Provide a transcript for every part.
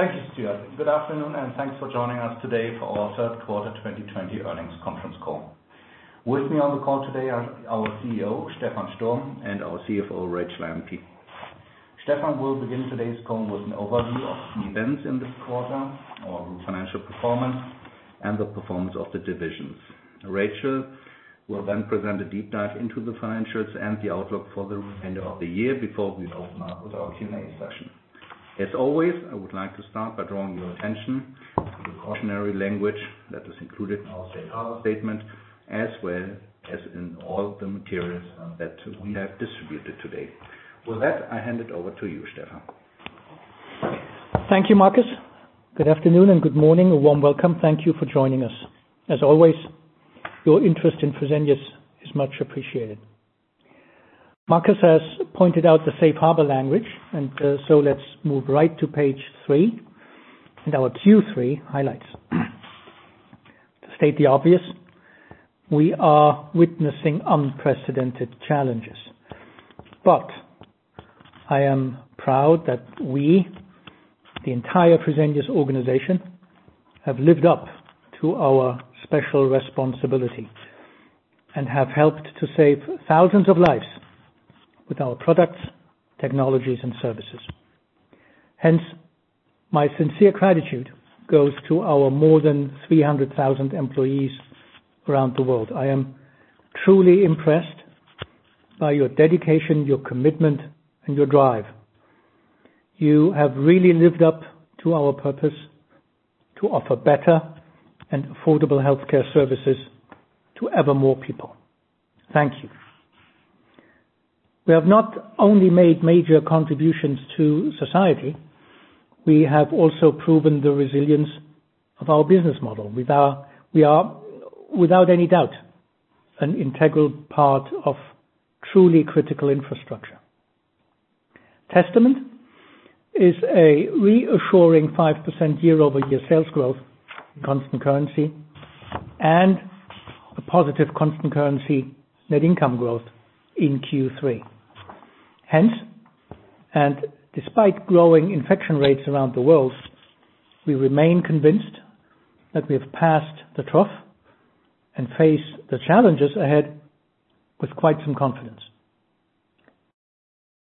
Thank you, Stuart. Good afternoon, thanks for joining us today for our Third Quarter 2020 Earnings Conference Call. With me on the call today are our CEO, Stephan Sturm, and our CFO, Rachel Empey. Stephan will begin today's call with an overview of the events in this quarter, our financial performance, and the performance of the divisions. Rachel will present a deep dive into the financials and the outlook for the remainder of the year before we open up with our Q&A session. As always, I would like to start by drawing your attention to the cautionary language that is included in our safe harbor statement, as well as in all the materials that we have distributed today. With that, I hand it over to you, Stephan. Thank you, Markus. Good afternoon and good morning. A warm welcome. Thank you for joining us. As always, your interest in Fresenius is much appreciated. Markus has pointed out the safe harbor language. Let's move right to page three and our Q3 highlights. To state the obvious, we are witnessing unprecedented challenges. I am proud that we, the entire Fresenius organization, have lived up to our special responsibility and have helped to save thousands of lives with our products, technologies, and services. Hence, my sincere gratitude goes to our more than 300,000 employees around the world. I am truly impressed by your dedication, your commitment, and your drive. You have really lived up to our purpose to offer better and affordable healthcare services to ever more people. Thank you. We have not only made major contributions to society, we have also proven the resilience of our business model. We are, without any doubt, an integral part of truly critical infrastructure. Testament is a reassuring 5% year-over-year sales growth in constant currency and a positive constant currency net income growth in Q3. Despite growing infection rates around the world, we remain convinced that we have passed the trough and face the challenges ahead with quite some confidence.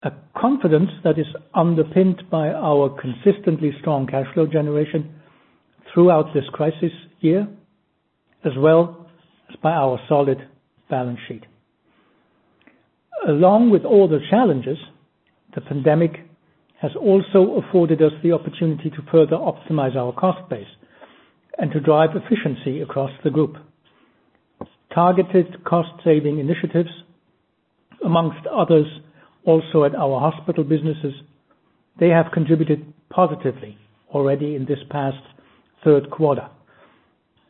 A confidence that is underpinned by our consistently strong cash flow generation throughout this crisis year, as well as by our solid balance sheet. Along with all the challenges, the pandemic has also afforded us the opportunity to further optimize our cost base and to drive efficiency across the group. Targeted cost-saving initiatives among others, also at our hospital businesses, they have contributed positively already in this past third quarter.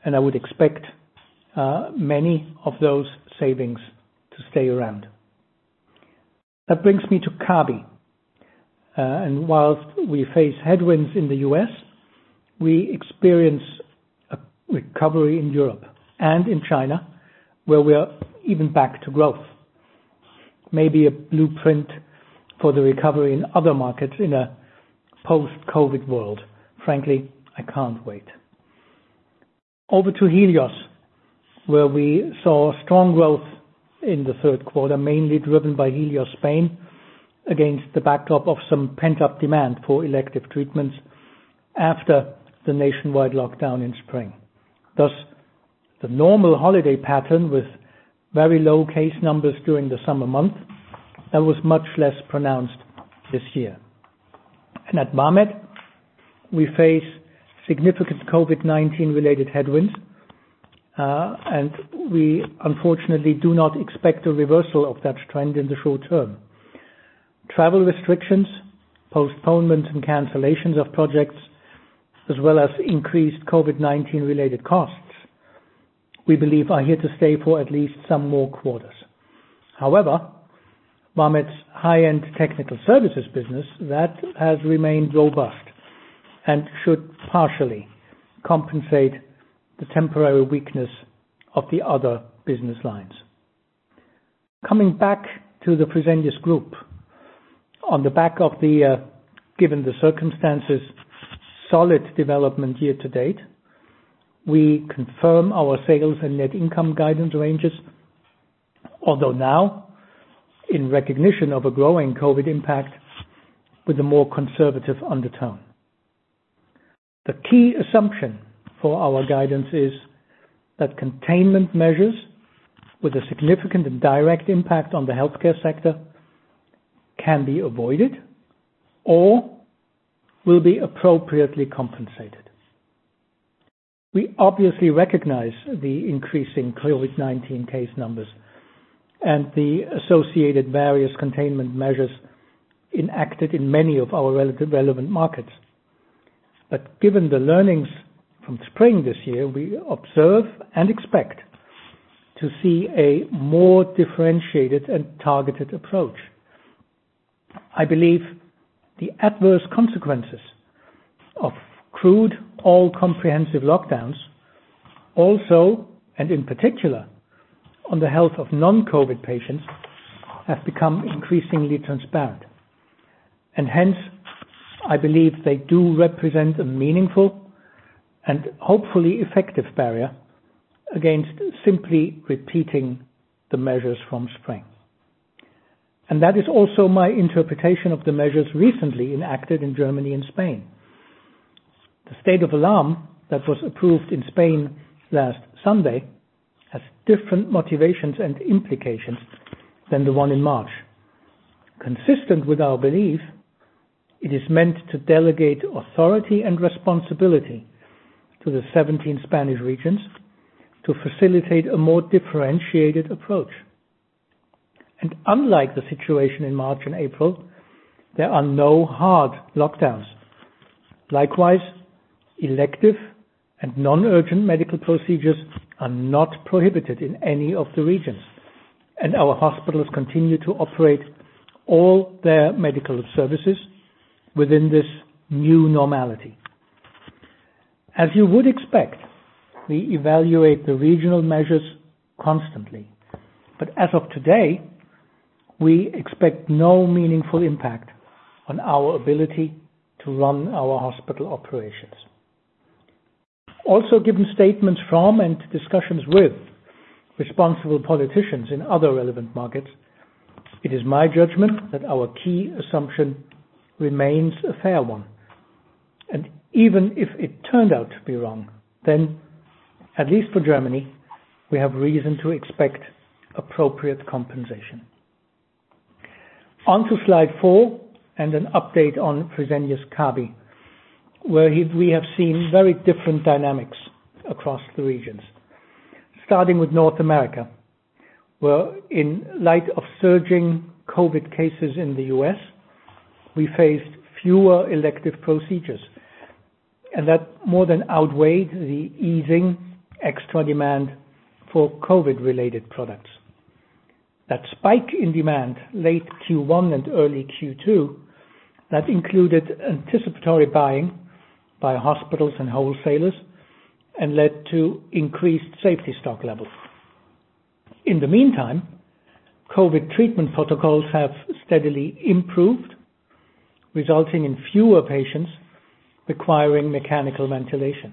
I would expect many of those savings to stay around. That brings me to Kabi. Whilst we face headwinds in the U.S., we experience a recovery in Europe and in China, where we are even back to growth. Maybe a blueprint for the recovery in other markets in a post-COVID world. Frankly, I can't wait. Over to Helios, where we saw strong growth in the third quarter, mainly driven by Helios Spain, against the backdrop of some pent-up demand for elective treatments after the nationwide lockdown in spring. The normal holiday pattern with very low case numbers during the summer month, that was much less pronounced this year. At Vamed, we face significant COVID-19 related headwinds, and we unfortunately do not expect a reversal of that trend in the short term. Travel restrictions, postponement and cancellations of projects, as well as increased COVID-19 related costs, we believe are here to stay for at least some more quarters. Vamed's high-end technical services business, that has remained robust and should partially compensate the temporary weakness of the other business lines. Coming back to the Fresenius group, on the back of the, given the circumstances, solid development year to date. We confirm our sales and net income guidance ranges, although now, in recognition of a growing COVID impact, with a more conservative undertone. The key assumption for our guidance is that containment measures with a significant and direct impact on the healthcare sector can be avoided or will be appropriately compensated. We obviously recognize the increasing COVID-19 case numbers and the associated various containment measures enacted in many of our relevant markets. Given the learnings from spring this year, we observe and expect to see a more differentiated and targeted approach. I believe the adverse consequences of crude, all-comprehensive lockdowns. Also, and in particular, on the health of non-COVID patients, have become increasingly transparent. Hence, I believe they do represent a meaningful and hopefully effective barrier against simply repeating the measures from spring. That is also my interpretation of the measures recently enacted in Germany and Spain. The State of Alarm that was approved in Spain last Sunday has different motivations and implications than the one in March. Consistent with our belief, it is meant to delegate authority and responsibility to the 17 Spanish regions to facilitate a more differentiated approach. Unlike the situation in March and April, there are no hard lockdowns. Likewise, elective and non-urgent medical procedures are not prohibited in any of the regions, and our hospitals continue to operate all their medical services within this new normality. As you would expect, we evaluate the regional measures constantly, but as of today, we expect no meaningful impact on our ability to run our hospital operations. Given statements from and discussions with responsible politicians in other relevant markets, it is my judgment that our key assumption remains a fair one. Even if it turned out to be wrong, at least for Germany, we have reason to expect appropriate compensation. On to slide four and an update on Fresenius Kabi, where we have seen very different dynamics across the regions. Starting with North America, where in light of surging COVID cases in the U.S., we faced fewer elective procedures and that more than outweighed the easing extra demand for COVID-related products. That spike in demand late Q1 and early Q2, that included anticipatory buying by hospitals and wholesalers and led to increased safety stock levels. In the meantime, COVID treatment protocols have steadily improved, resulting in fewer patients requiring mechanical ventilation.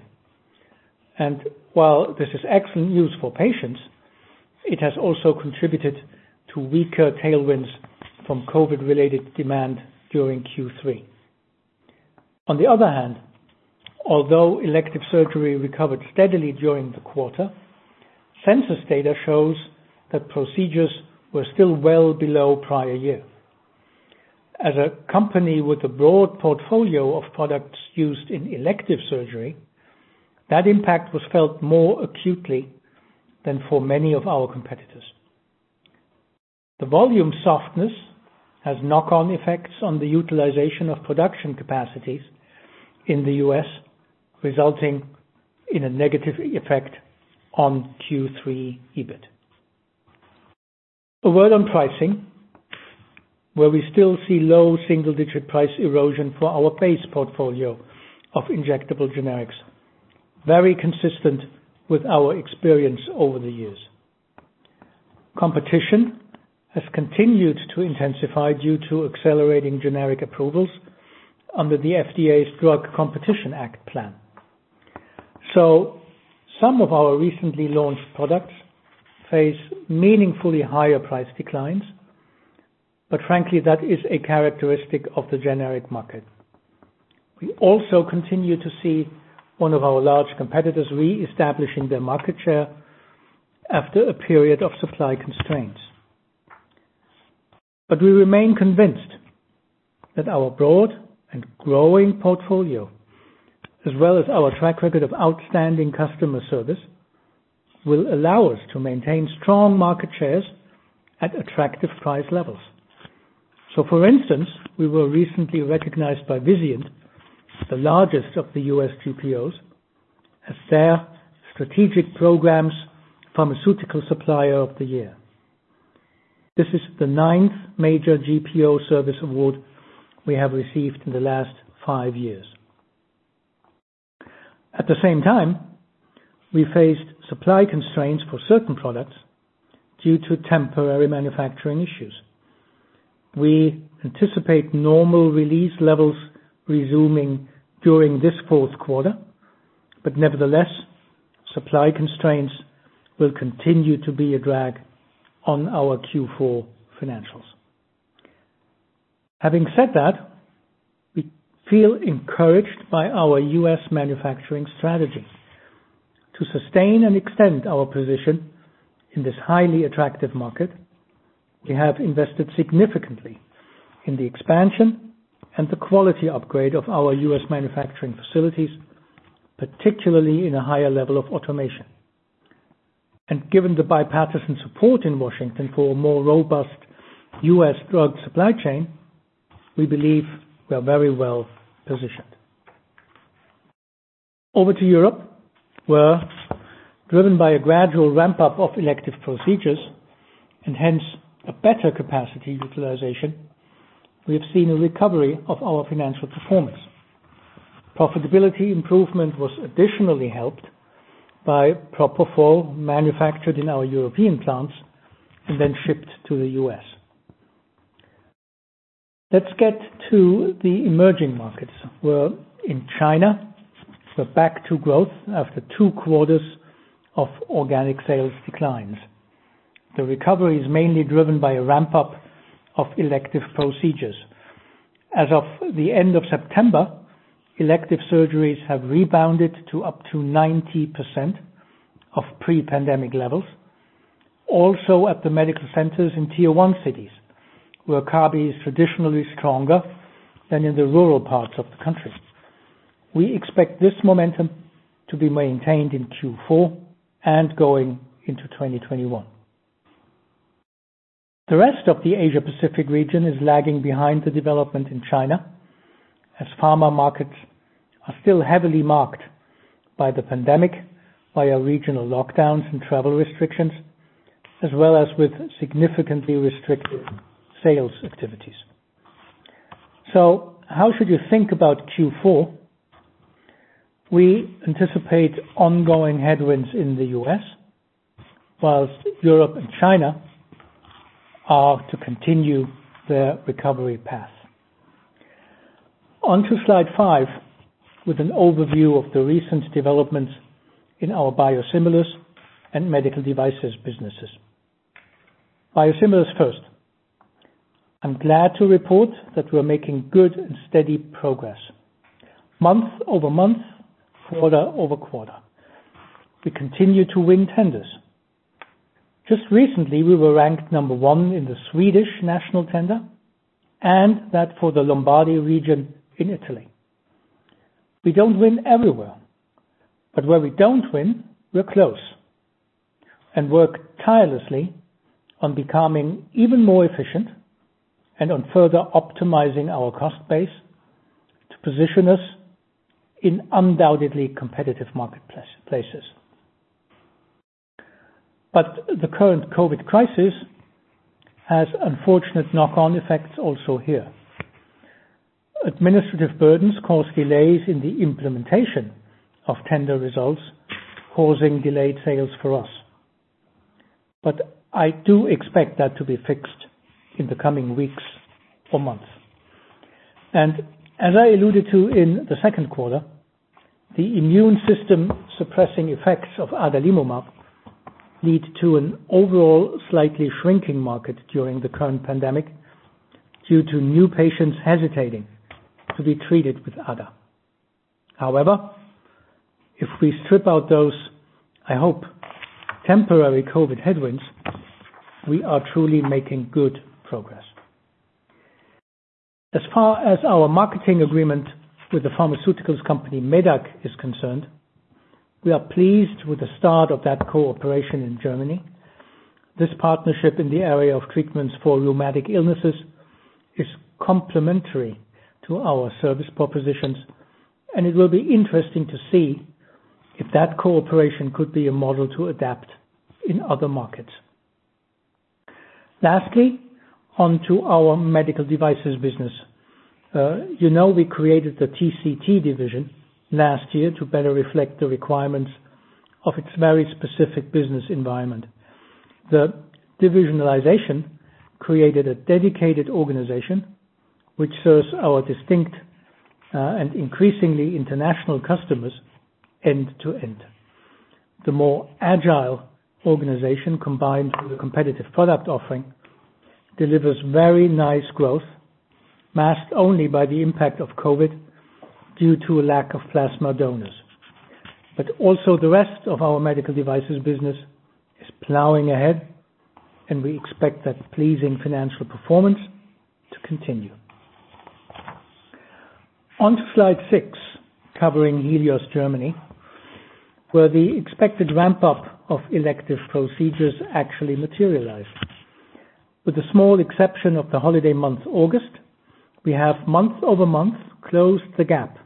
While this is excellent news for patients, it has also contributed to weaker tailwinds from COVID-related demand during Q3. On the other hand, although elective surgery recovered steadily during the quarter, census data shows that procedures were still well below prior year. As a company with a broad portfolio of products used in elective surgery, that impact was felt more acutely than for many of our competitors. The volume softness has knock-on effects on the utilization of production capacities in the U.S., resulting in a negative effect on Q3 EBIT. A word on pricing, where we still see low single-digit price erosion for our base portfolio of injectable generics, very consistent with our experience over the years. Competition has continued to intensify due to accelerating generic approvals under the FDA's Drug Competition Action Plan. Some of our recently launched products face meaningfully higher price declines, but frankly, that is a characteristic of the generic market. We also continue to see one of our large competitors reestablishing their market share after a period of supply constraints. We remain convinced that our broad and growing portfolio, as well as our track record of outstanding customer service, will allow us to maintain strong market shares at attractive price levels. For instance, we were recently recognized by Vizient, the largest of the U.S. GPOs, as their Strategic Programs Pharmaceutical Supplier of the Year. This is the ninth major GPO service award we have received in the last five years. At the same time, we faced supply constraints for certain products due to temporary manufacturing issues. We anticipate normal release levels resuming during this fourth quarter, but nevertheless, supply constraints will continue to be a drag on our Q4 financials. Having said that, we feel encouraged by our U.S. manufacturing strategy. To sustain and extend our position in this highly attractive market, we have invested significantly in the expansion and the quality upgrade of our U.S. manufacturing facilities, particularly in a higher level of automation. Given the bipartisan support in Washington for a more robust U.S. drug supply chain, we believe we are very well positioned. Over to Europe, where driven by a gradual ramp-up of elective procedures and hence a better capacity utilization, we have seen a recovery of our financial performance. Profitability improvement was additionally helped by propofol manufactured in our European plants and then shipped to the U.S. Let's get to the emerging markets. In China, we're back to growth after two quarters of organic sales declines. The recovery is mainly driven by a ramp-up of elective procedures. As of the end of September, elective surgeries have rebounded to up to 90% of pre-pandemic levels, also at the medical centers in tier 1 cities, where Kabi is traditionally stronger than in the rural parts of the country. We expect this momentum to be maintained in Q4 and going into 2021. The rest of the Asia Pacific region is lagging behind the development in China, as pharma markets are still heavily marked by the pandemic, by regional lockdowns and travel restrictions, as well as with significantly restricted sales activities. How should you think about Q4? We anticipate ongoing headwinds in the U.S., whilst Europe and China are to continue their recovery path. On to slide five, with an overview of the recent developments in our biosimilars and medical devices businesses. Biosimilars first. I'm glad to report that we're making good and steady progress month-over-month, quarter-over-quarter. We continue to win tenders. Just recently, we were ranked number one in the Swedish national tender and that for the Lombardy region in Italy. We don't win everywhere, where we don't win, we're close, and work tirelessly on becoming even more efficient and on further optimizing our cost base to position us in undoubtedly competitive marketplaces. The current COVID crisis has unfortunate knock-on effects also here. Administrative burdens cause delays in the implementation of tender results, causing delayed sales for us. I do expect that to be fixed in the coming weeks or months. As I alluded to in the second quarter, the immune system suppressing effects of adalimumab lead to an overall slightly shrinking market during the current pandemic due to new patients hesitating to be treated with ada. However, if we strip out those, I hope, temporary COVID headwinds, we are truly making good progress. As far as our marketing agreement with the pharmaceuticals company, medac, is concerned, we are pleased with the start of that cooperation in Germany. This partnership in the area of treatments for rheumatic illnesses is complementary to our service propositions, and it will be interesting to see if that cooperation could be a model to adapt in other markets. Lastly, on to our medical devices business. You know we created the TCT division last year to better reflect the requirements of its very specific business environment. The divisionalization created a dedicated organization which serves our distinct, and increasingly international customers end to end. The more agile organization, combined with a competitive product offering, delivers very nice growth, masked only by the impact of COVID due to a lack of plasma donors. Also, the rest of our medical devices business is plowing ahead, and we expect that pleasing financial performance to continue. On to slide six, covering Helios Germany, where the expected ramp-up of elective procedures actually materialized. With the small exception of the holiday month, August, we have month-over-month closed the gap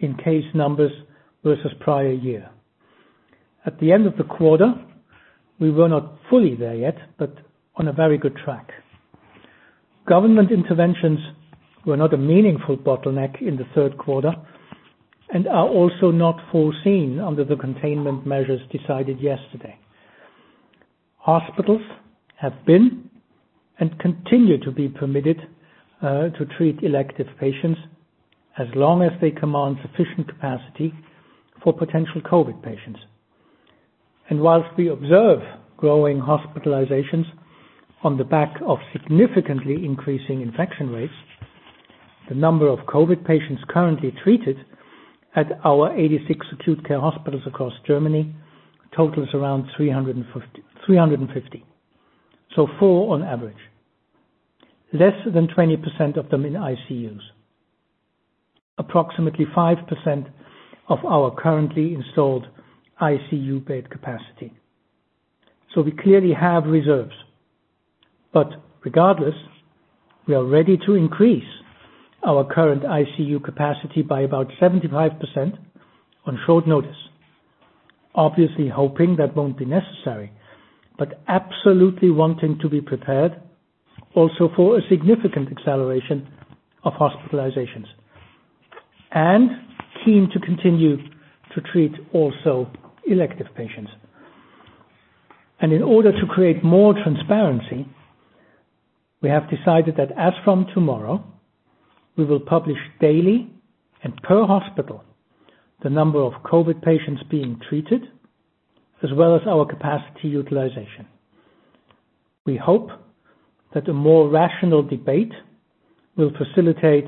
in case numbers versus prior-year. At the end of the quarter, we were not fully there yet, but on a very good track. Government interventions were not a meaningful bottleneck in the third quarter and are also not foreseen under the containment measures decided yesterday. Hospitals have been and continue to be permitted to treat elective patients as long as they command sufficient capacity for potential COVID patients. Whilst we observe growing hospitalizations on the back of significantly increasing infection rates, the number of COVID patients currently treated at our 86 acute care hospitals across Germany totals around 350. Four on average. Less than 20% of them in ICUs. Approximately 5% of our currently installed ICU bed capacity. We clearly have reserves. Regardless, we are ready to increase our current ICU capacity by about 75% on short notice. Obviously hoping that won't be necessary but absolutely wanting to be prepared also for a significant acceleration of hospitalizations, and keen to continue to treat also elective patients. In order to create more transparency, we have decided that as from tomorrow, we will publish daily and per hospital the number of COVID patients being treated, as well as our capacity utilization. We hope that a more rational debate will facilitate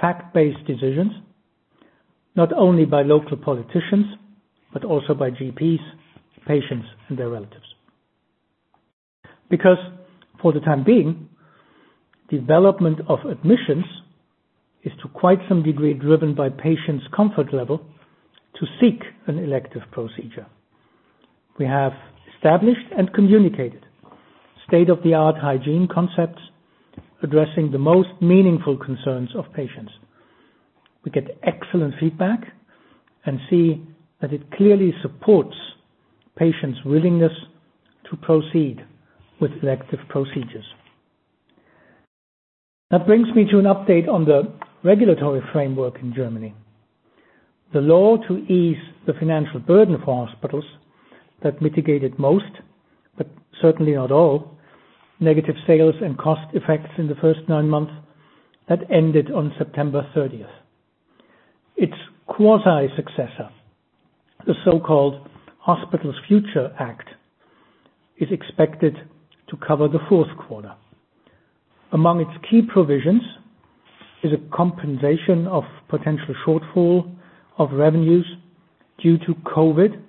fact-based decisions, not only by local politicians, but also by GPs, patients, and their relatives. Because for the time being, development of admissions is to quite some degree driven by patients' comfort level to seek an elective procedure. We have established and communicated state-of-the-art hygiene concepts addressing the most meaningful concerns of patients. We get excellent feedback and see that it clearly supports patients' willingness to proceed with elective procedures. That brings me to an update on the regulatory framework in Germany. The law to ease the financial burden for hospitals that mitigated most, but certainly not all, negative sales and cost effects in the first nine months that ended on September 30th. Its quasi successor, the so-called Hospital Future Act, is expected to cover the fourth quarter. Among its key provisions is a compensation of potential shortfall of revenues due to COVID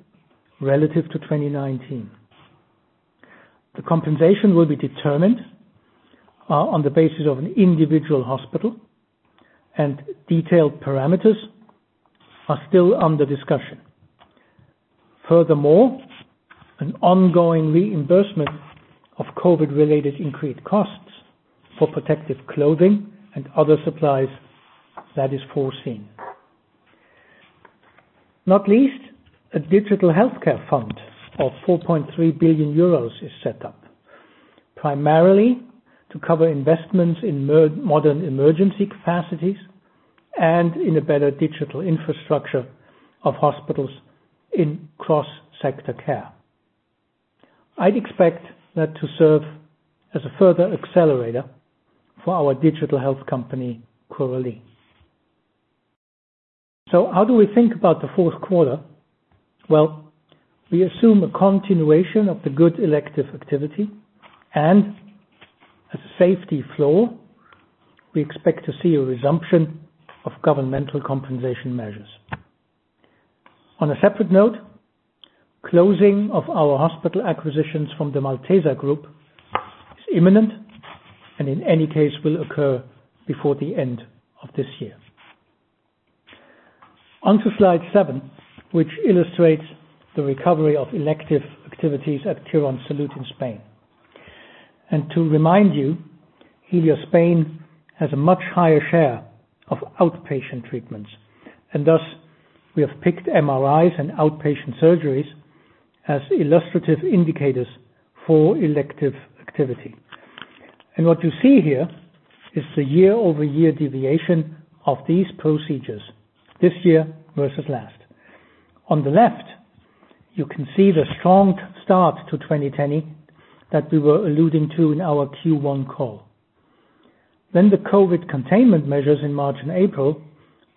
relative to 2019. The compensation will be determined on the basis of an individual hospital and detailed parameters are still under discussion. Furthermore, an ongoing reimbursement of COVID-related increased costs for protective clothing and other supplies, that is foreseen. Not least, a digital healthcare fund of 4.3 billion euros is set up, primarily to cover investments in modern emergency capacities and in a better digital infrastructure of hospitals in cross-sector care. I'd expect that to serve as a further accelerator for our digital health company, Curalie. How do we think about the fourth quarter? Well, we assume a continuation of the good elective activity and as a safety floor, we expect to see a resumption of governmental compensation measures. On a separate note, closing of our hospital acquisitions from the Malteser Group is imminent, in any case will occur before the end of this year. On to slide seven, which illustrates the recovery of elective activities at Quirónsalud in Spain. To remind you, Helios Spain has a much higher share of outpatient treatments, thus we have picked MRIs and outpatient surgeries as illustrative indicators for elective activity. What you see here is the year-over-year deviation of these procedures this year versus last. On the left, you can see the strong start to 2020 that we were alluding to in our Q1 call. The COVID containment measures in March and April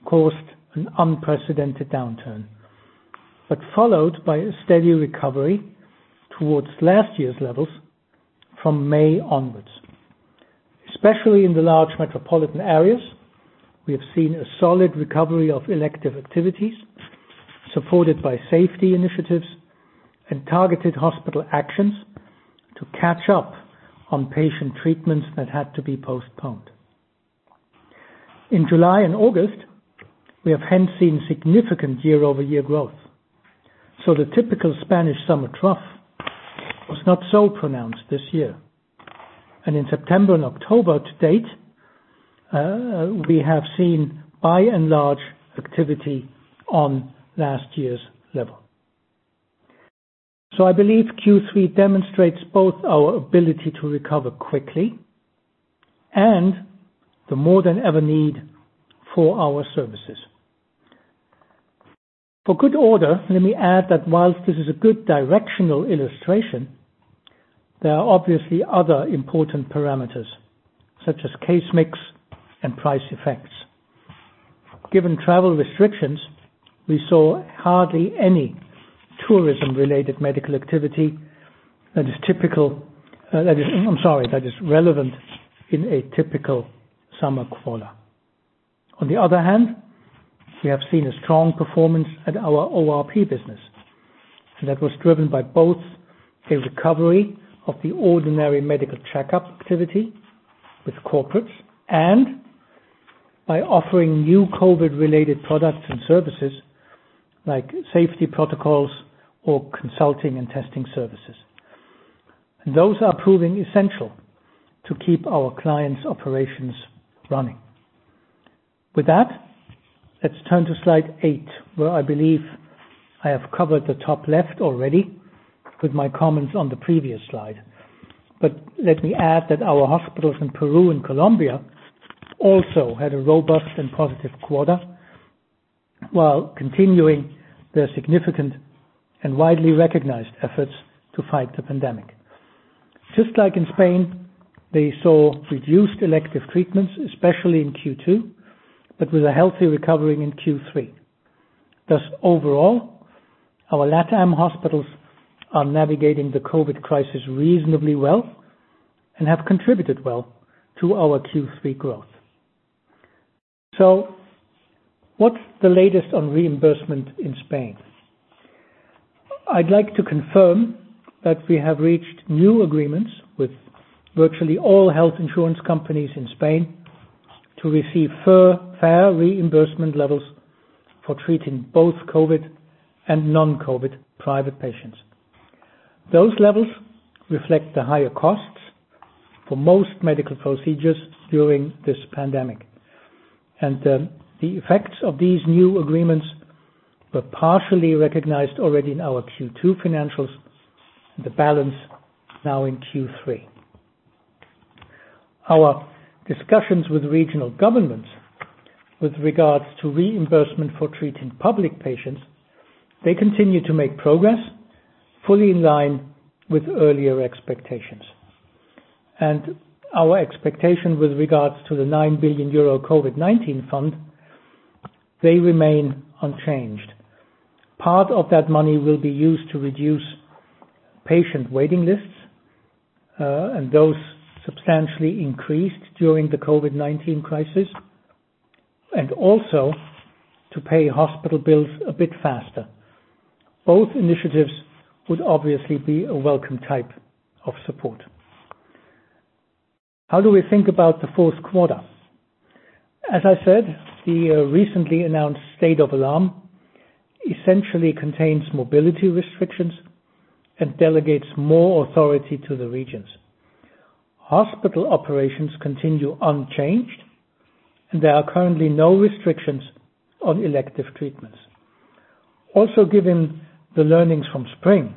caused an unprecedented downturn, followed by a steady recovery towards last year's levels from May onwards. Especially in the large metropolitan areas, we have seen a solid recovery of elective activities supported by safety initiatives and targeted hospital actions to catch up on patient treatments that had to be postponed. In July and August, we have seen significant year-over-year growth. The typical Spanish summer trough was not so pronounced this year. In September and October to date, we have seen by and large activity on last year's level. I believe Q3 demonstrates both our ability to recover quickly and the more than ever need for our services. For good order, let me add that while this is a good directional illustration, there are obviously other important parameters such as case mix and price effects. Given travel restrictions, we saw hardly any tourism-related medical activity that is relevant in a typical summer quarter. On the other hand, we have seen a strong performance at our ORP business, and that was driven by both the recovery of the ordinary medical checkup activity with corporates and by offering new COVID related products and services like safety protocols or consulting and testing services. Those are proving essential to keep our clients' operations running. With that, let's turn to slide eight, where I believe I have covered the top left already with my comments on the previous slide. Let me add that our hospitals in Peru and Colombia also had a robust and positive quarter, while continuing their significant and widely recognized efforts to fight the pandemic. Just like in Spain, they saw reduced elective treatments, especially in Q2, but with a healthy recovery in Q3. Thus, overall, our LatAm hospitals are navigating the COVID crisis reasonably well and have contributed well to our Q3 growth. What's the latest on reimbursement in Spain? I'd like to confirm that we have reached new agreements with virtually all health insurance companies in Spain to receive fair reimbursement levels for treating both COVID and non-COVID private patients. Those levels reflect the higher costs for most medical procedures during this pandemic, the effects of these new agreements were partially recognized already in our Q2 financials, the balance now in Q3. Our discussions with regional governments with regards to reimbursement for treating public patients, they continue to make progress fully in line with earlier expectations. Our expectation with regards to the 9 billion euro COVID-19 fund, they remain unchanged. Part of that money will be used to reduce patient waiting lists, those substantially increased during the COVID-19 crisis, also to pay hospital bills a bit faster. Both initiatives would obviously be a welcome type of support. How do we think about the fourth quarter? As I said, the recently announced state of alarm essentially contains mobility restrictions and delegates more authority to the regions. Hospital operations continue unchanged, and there are currently no restrictions on elective treatments. Also, given the learnings from spring,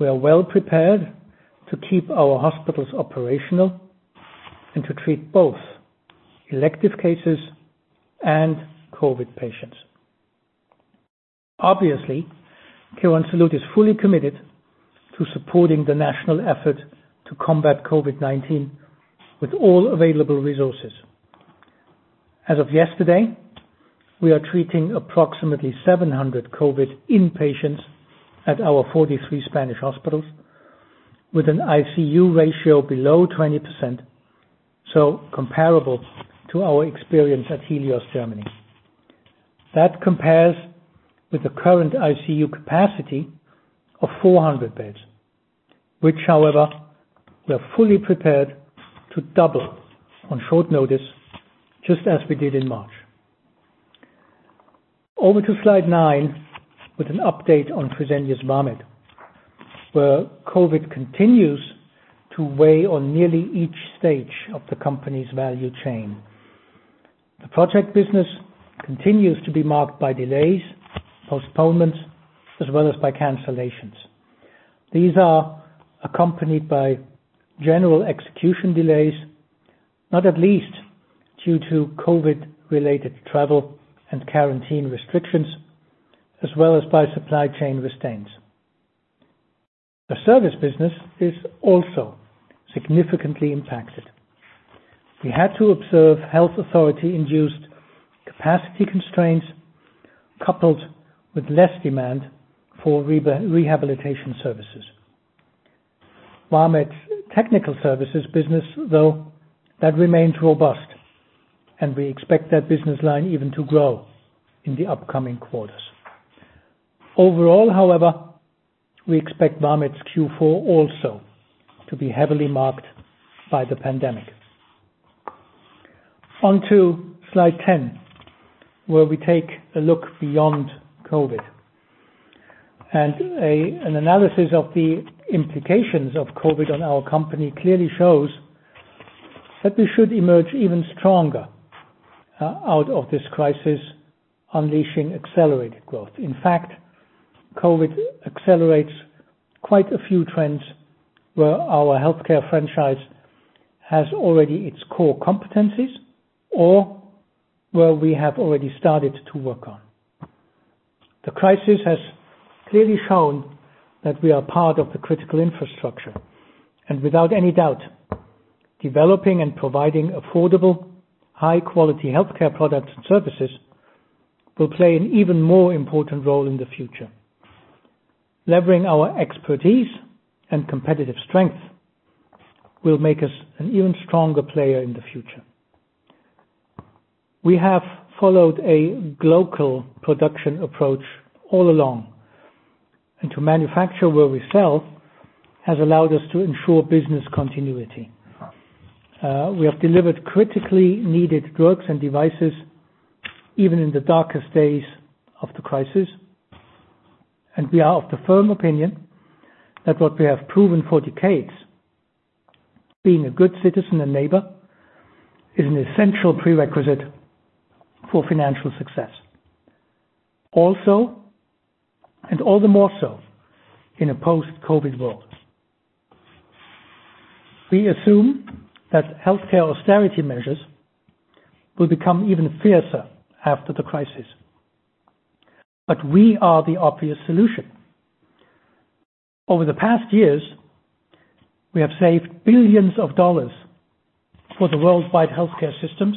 we are well prepared to keep our hospitals operational and to treat both elective cases and COVID patients. Obviously, Quirónsalud is fully committed to supporting the national effort to combat COVID-19 with all available resources. As of yesterday, we are treating approximately 700 COVID inpatients at our 43 Spanish hospitals with an ICU ratio below 20%, so comparable to our experience at Helios Germany. That compares with the current ICU capacity of 400 beds, which, however, we are fully prepared to double on short notice, just as we did in March. Over to slide nine with an update on Fresenius Vamed, where COVID continues to weigh on nearly each stage of the company's value chain. The project business continues to be marked by delays, postponements, as well as by cancellations. These are accompanied by general execution delays, not at least due to COVID-related travel and quarantine restrictions, as well as by supply chain restraints. The service business is also significantly impacted. We had to observe health authority-induced capacity constraints coupled with less demand for rehabilitation services. Vamed's technical services business, though, that remains robust, and we expect that business line even to grow in the upcoming quarters. Overall, however, we expect Vamed's Q4 also to be heavily marked by the pandemic. On to slide 10, where we take a look beyond COVID. An analysis of the implications of COVID on our company clearly shows that we should emerge even stronger out of this crisis, unleashing accelerated growth. In fact, COVID accelerates quite a few trends where our healthcare franchise has already its core competencies or where we have already started to work on. The crisis has clearly shown that we are part of the critical infrastructure. Without any doubt, developing and providing affordable, high-quality healthcare products and services will play an even more important role in the future. Leveraging our expertise and competitive strength will make us an even stronger player in the future. We have followed a glocal production approach all along. To manufacture where we sell has allowed us to ensure business continuity. We have delivered critically needed drugs and devices even in the darkest days of the crisis. We are of the firm opinion that what we have proven for decades, being a good citizen and neighbor, is an essential prerequisite for financial success. Also, all the more so, in a post-COVID world. We assume that healthcare austerity measures will become even fiercer after the crisis. We are the obvious solution. Over the past years, we have saved billions of dollars for the worldwide healthcare systems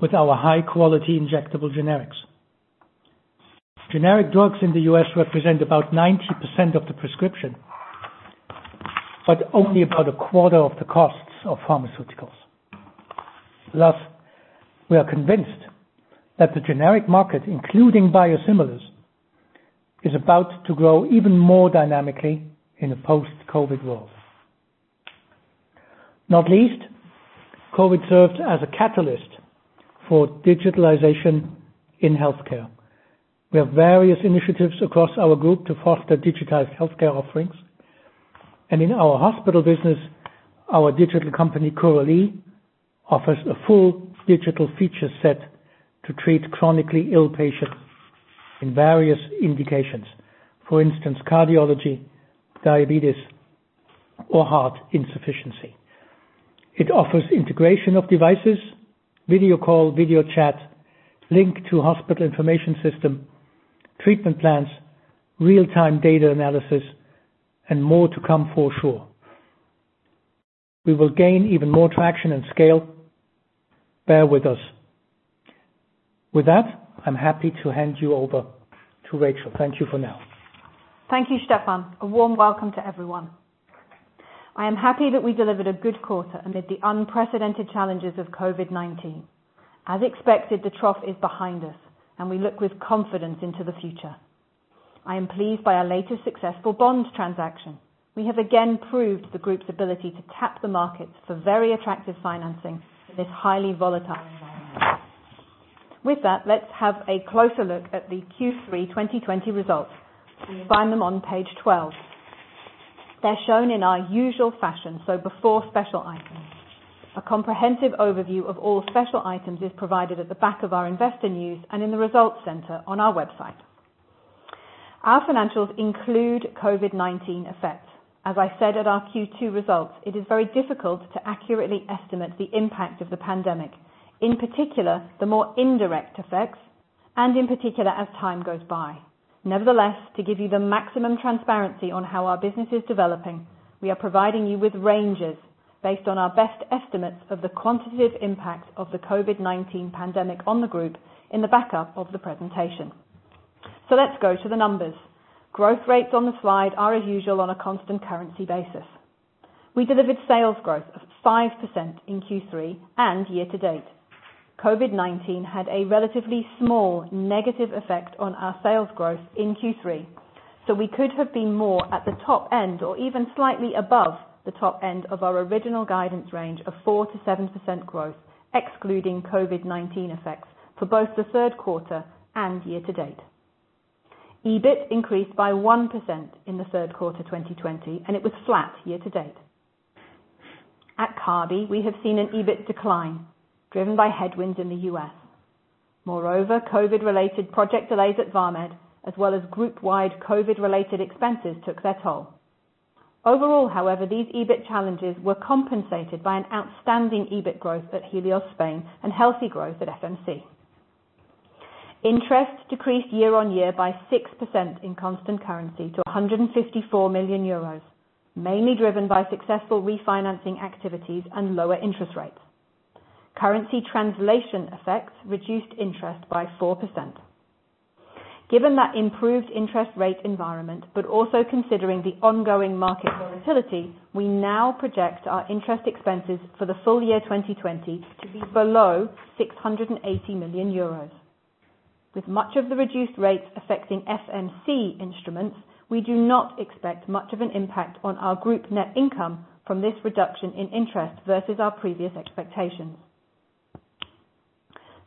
with our high-quality injectable generics. Generic drugs in the U.S. represent about 90% of the prescription, but only about a quarter of the costs of pharmaceuticals. We are convinced that the generic market, including biosimilars, is about to grow even more dynamically in a post-COVID world. Not least, COVID served as a catalyst for digitalization in healthcare. We have various initiatives across our group to foster digitized healthcare offerings. In our hospital business, our digital company, Curalie, offers a full digital feature set to treat chronically ill patients in various indications. For instance, cardiology, diabetes, or heart insufficiency. It offers integration of devices, video call, video chat, link to hospital information system, treatment plans, real-time data analysis, and more to come for sure. We will gain even more traction and scale. Bear with us. With that, I'm happy to hand you over to Rachel. Thank you for now. Thank you, Stephan. A warm welcome to everyone. I am happy that we delivered a good quarter amid the unprecedented challenges of COVID-19. As expected, the trough is behind us and we look with confidence into the future. I am pleased by our latest successful bond transaction. We have again proved the group's ability to tap the markets for very attractive financing in this highly volatile environment. With that, let's have a closer look at the Q3 2020 results. You will find them on page 12. They are shown in our usual fashion, so before special items. A comprehensive overview of all special items is provided at the back of our investor news and in the results center on our website. Our financials include COVID-19 effects. As I said at our Q2 results, it is very difficult to accurately estimate the impact of the pandemic. In particular, the more indirect effects, and in particular, as time goes by. Nevertheless, to give you the maximum transparency on how our business is developing, we are providing you with ranges based on our best estimates of the quantitative impact of the COVID-19 pandemic on the group, in the backup of the presentation. Let's go to the numbers. Growth rates on the slide are, as usual, on a constant currency basis. We delivered sales growth of 5% in Q3 and year to date. COVID-19 had a relatively small negative effect on our sales growth in Q3. We could have been more at the top end or even slightly above the top end of our original guidance range of 4%-7% growth, excluding COVID-19 effects, for both the third quarter and year to date. EBIT increased by 1% in the third quarter 2020, and it was flat year to date. At Kabi, we have seen an EBIT decline driven by headwinds in the U.S. Moreover, COVID-related project delays at Vamed, as well as group-wide COVID-related expenses took their toll. Overall, however, these EBIT challenges were compensated by an outstanding EBIT growth at Helios Spain and healthy growth at FMC. Interest decreased year on year by 6% in constant currency to 154 million euros, mainly driven by successful refinancing activities and lower interest rates. Currency translation effects reduced interest by 4%. Given that improved interest rate environment, but also considering the ongoing market volatility, we now project our interest expenses for the full year 2020 to be below 680 million euros. With much of the reduced rates affecting FMC instruments, we do not expect much of an impact on our group net income from this reduction in interest versus our previous expectations.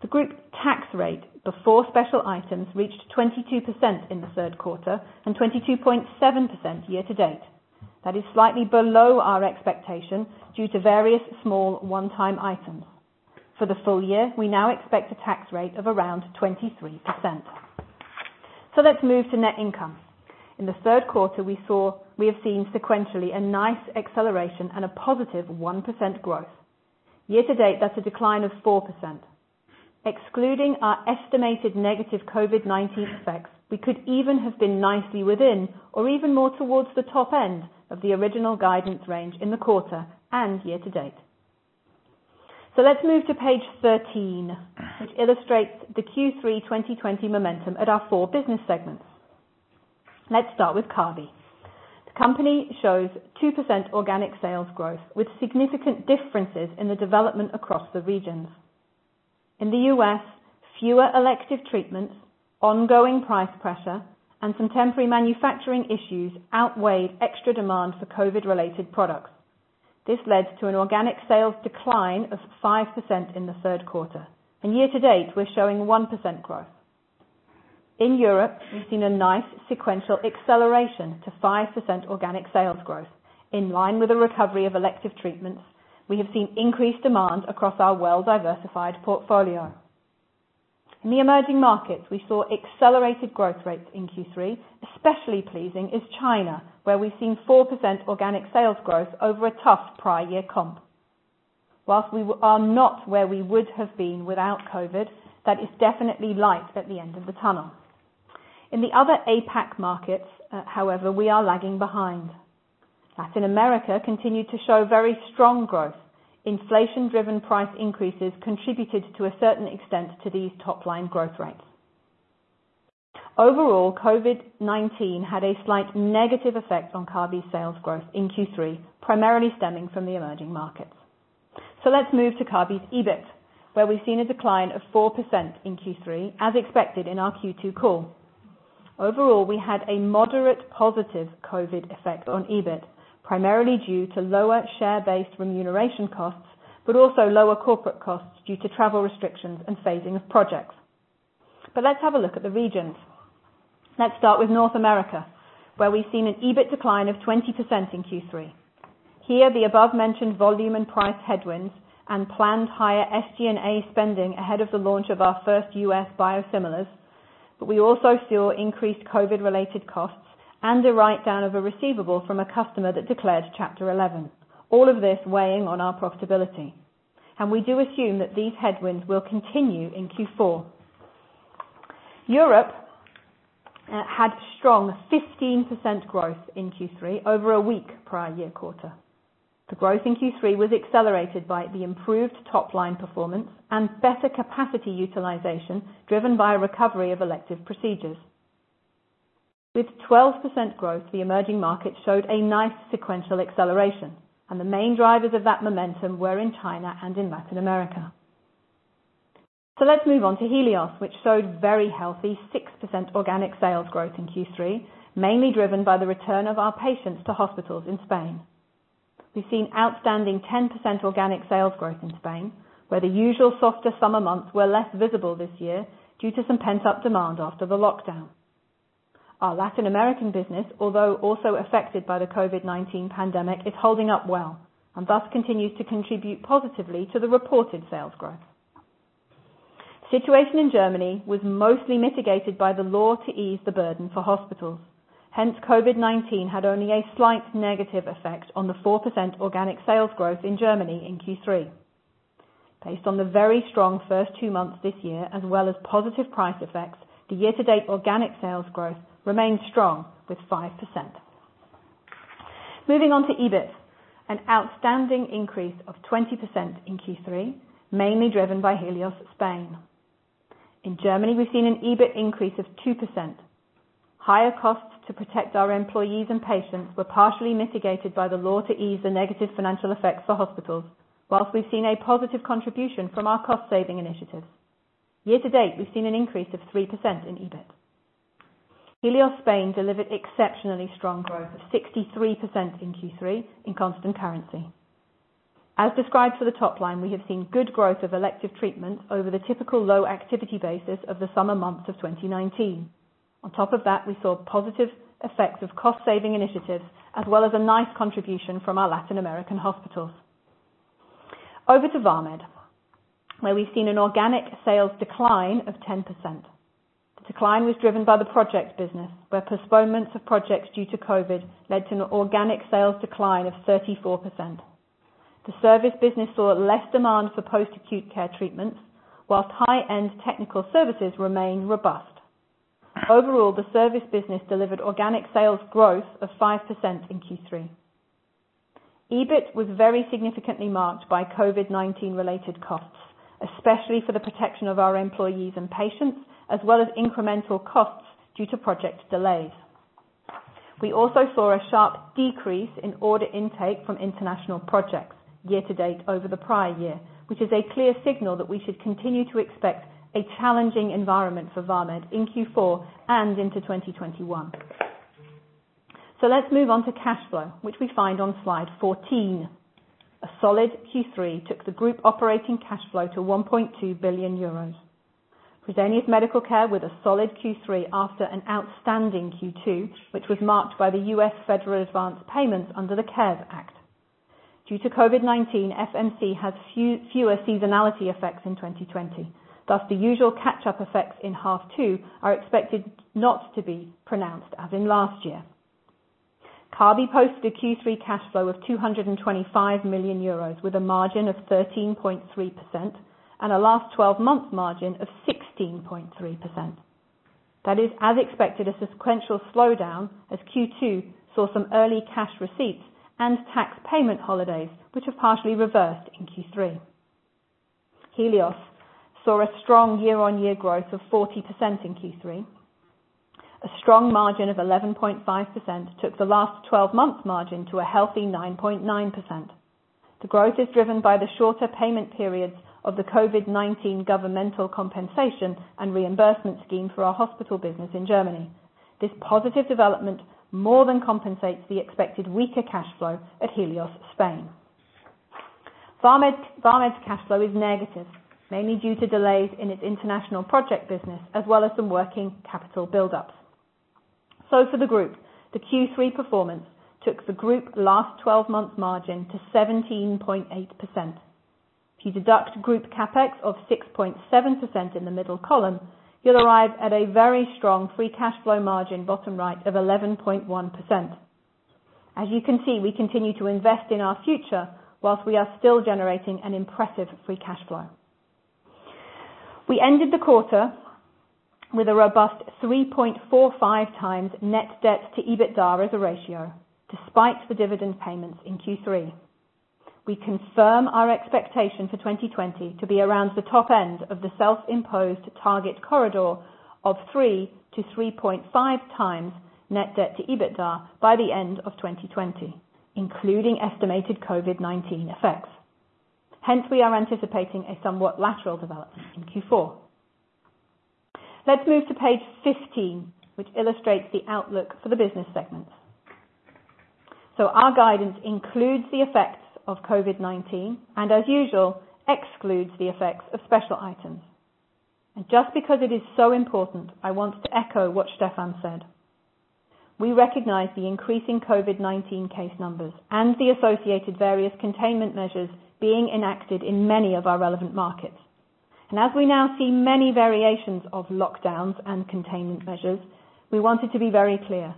The group tax rate before special items reached 22% in the third quarter and 22.7% year-to-date. That is slightly below our expectation due to various small one-time items. For the full year, we now expect a tax rate of around 23%. Let's move to net income. In the third quarter, we have seen sequentially a nice acceleration and a positive 1% growth. Year-to-date, that's a decline of 4%. Excluding our estimated negative COVID-19 effects, we could even have been nicely within or even more towards the top end of the original guidance range in the quarter and year-to-date. Let's move to page 13, which illustrates the Q3 2020 momentum at our four business segments. Let's start with Kabi. The company shows 2% organic sales growth with significant differences in the development across the regions. In the U.S., fewer elective treatments, ongoing price pressure, and some temporary manufacturing issues outweighed extra demand for COVID-related products. This led to an organic sales decline of 5% in the third quarter. Year to date, we're showing 1% growth. In Europe, we've seen a nice sequential acceleration to 5% organic sales growth. In line with the recovery of elective treatments, we have seen increased demand across our well-diversified portfolio. In the emerging markets, we saw accelerated growth rates in Q3. Especially pleasing is China, where we've seen 4% organic sales growth over a tough prior year comp. Whilst we are not where we would have been without COVID, that is definitely light at the end of the tunnel. In the other APAC markets, however, we are lagging behind. Latin America continued to show very strong growth. Inflation driven price increases contributed to a certain extent to these top-line growth rates. Overall, COVID-19 had a slight negative effect on Kabi sales growth in Q3, primarily stemming from the emerging markets. Let's move to Kabi's EBIT, where we've seen a decline of 4% in Q3, as expected in our Q2 call. Overall, we had a moderate positive COVID effect on EBIT, primarily due to lower share-based remuneration costs, but also lower corporate costs due to travel restrictions and phasing of projects. Let's have a look at the regions. Let's start with North America, where we've seen an EBIT decline of 20% in Q3. Here, the above-mentioned volume and price headwinds and planned higher SG&A spending ahead of the launch of our first U.S. biosimilars, but we also saw increased COVID-related costs and a write-down of a receivable from a customer that declared Chapter 11. All of this weighing on our profitability. We do assume that these headwinds will continue in Q4. Europe had strong 15% growth in Q3 over a weak prior year quarter. The growth in Q3 was accelerated by the improved top-line performance and better capacity utilization, driven by a recovery of elective procedures. With 12% growth, the emerging market showed a nice sequential acceleration, and the main drivers of that momentum were in China and in Latin America. Let's move on to Helios, which showed very healthy 6% organic sales growth in Q3, mainly driven by the return of our patients to hospitals in Spain. We've seen outstanding 10% organic sales growth in Spain, where the usual softer summer months were less visible this year due to some pent-up demand after the lockdown. Our Latin American business, although also affected by the COVID-19 pandemic, is holding up well, and thus continues to contribute positively to the reported sales growth. Situation in Germany was mostly mitigated by the law to ease the burden for hospitals. Hence, COVID-19 had only a slight negative effect on the 4% organic sales growth in Germany in Q3. Based on the very strong first two months this year, as well as positive price effects, the year to date organic sales growth remains strong with 5%. Moving on to EBIT. An outstanding increase of 20% in Q3, mainly driven by Helios Spain. In Germany, we've seen an EBIT increase of 2%. Higher costs to protect our employees and patients were partially mitigated by the law to ease the negative financial effects for hospitals, whilst we've seen a positive contribution from our cost saving initiatives. Year to date, we've seen an increase of 3% in EBIT. Helios Spain delivered exceptionally strong growth of 63% in Q3 in constant currency. As described for the top line, we have seen good growth of elective treatments over the typical low activity basis of the summer months of 2019. On top of that, we saw positive effects of cost saving initiatives, as well as a nice contribution from our Latin American hospitals. Over to Vamed, where we've seen an organic sales decline of 10%. The decline was driven by the project business, where postponements of projects due to COVID led to an organic sales decline of 34%. The service business saw less demand for post-acute care treatments, whilst high-end technical services remained robust. Overall, the service business delivered organic sales growth of 5% in Q3. EBIT was very significantly marked by COVID-19 related costs, especially for the protection of our employees and patients, as well as incremental costs due to project delays. We also saw a sharp decrease in order intake from international projects year to date over the prior year, which is a clear signal that we should continue to expect a challenging environment for Vamed in Q4 and into 2021. Let's move on to cash flow, which we find on slide 14. A solid Q3 took the group operating cash flow to 1.2 billion euros. Fresenius Medical Care with a solid Q3 after an outstanding Q2, which was marked by the U.S. Federal Advance payments under the CARES Act. Due to COVID-19, FMC has fewer seasonality effects in 2020. The usual catch-up effects in half two are expected not to be pronounced as in last year. Kabi posted a Q3 cash flow of 225 million euros, with a margin of 13.3% and a last 12 months margin of 16.3%. That is, as expected, a sequential slowdown as Q2 saw some early cash receipts and tax payment holidays, which have partially reversed in Q3. Helios saw a strong year-on-year growth of 40% in Q3. A strong margin of 11.5% took the last 12 months margin to a healthy 9.9%. The growth is driven by the shorter payment periods of the COVID-19 governmental compensation and reimbursement scheme for our hospital business in Germany. This positive development more than compensates the expected weaker cash flow at Helios Spain. Vamed's cash flow is negative, mainly due to delays in its international project business, as well as some working capital buildups. For the group, the Q3 performance took the group last 12 months margin to 17.8%. If you deduct group CapEx of 6.7% in the middle column, you will arrive at a very strong free cash flow margin, bottom right, of 11.1%. As you can see, we continue to invest in our future whilst we are still generating an impressive free cash flow. We ended the quarter with a robust 3.45x net debt to EBITDA as a ratio, despite the dividend payments in Q3. We confirm our expectation for 2020 to be around the top end of the self-imposed target corridor of 3x-3.5x net debt to EBITDA by the end of 2020, including estimated COVID-19 effects. We are anticipating a somewhat lateral development in Q4. Let's move to page 15, which illustrates the outlook for the business segments. Our guidance includes the effects of COVID-19, and as usual, excludes the effects of special items. Just because it is so important, I want to echo what Stephan said. We recognize the increasing COVID-19 case numbers and the associated various containment measures being enacted in many of our relevant markets. As we now see many variations of lockdowns and containment measures, we want it to be very clear,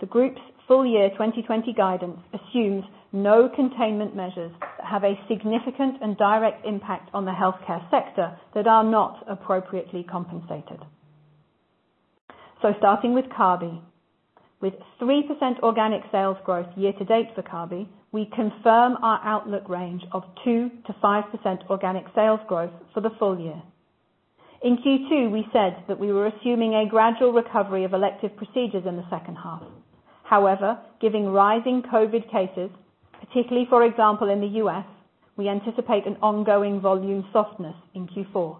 the group's full year 2020 guidance assumes no containment measures that have a significant and direct impact on the healthcare sector that are not appropriately compensated. Starting with Kabi. With 3% organic sales growth year to date for Kabi, we confirm our outlook range of 2%-5% organic sales growth for the full year. In Q2, we said that we were assuming a gradual recovery of elective procedures in the second half. Given rising COVID cases, particularly for example in the U.S., we anticipate an ongoing volume softness in Q4.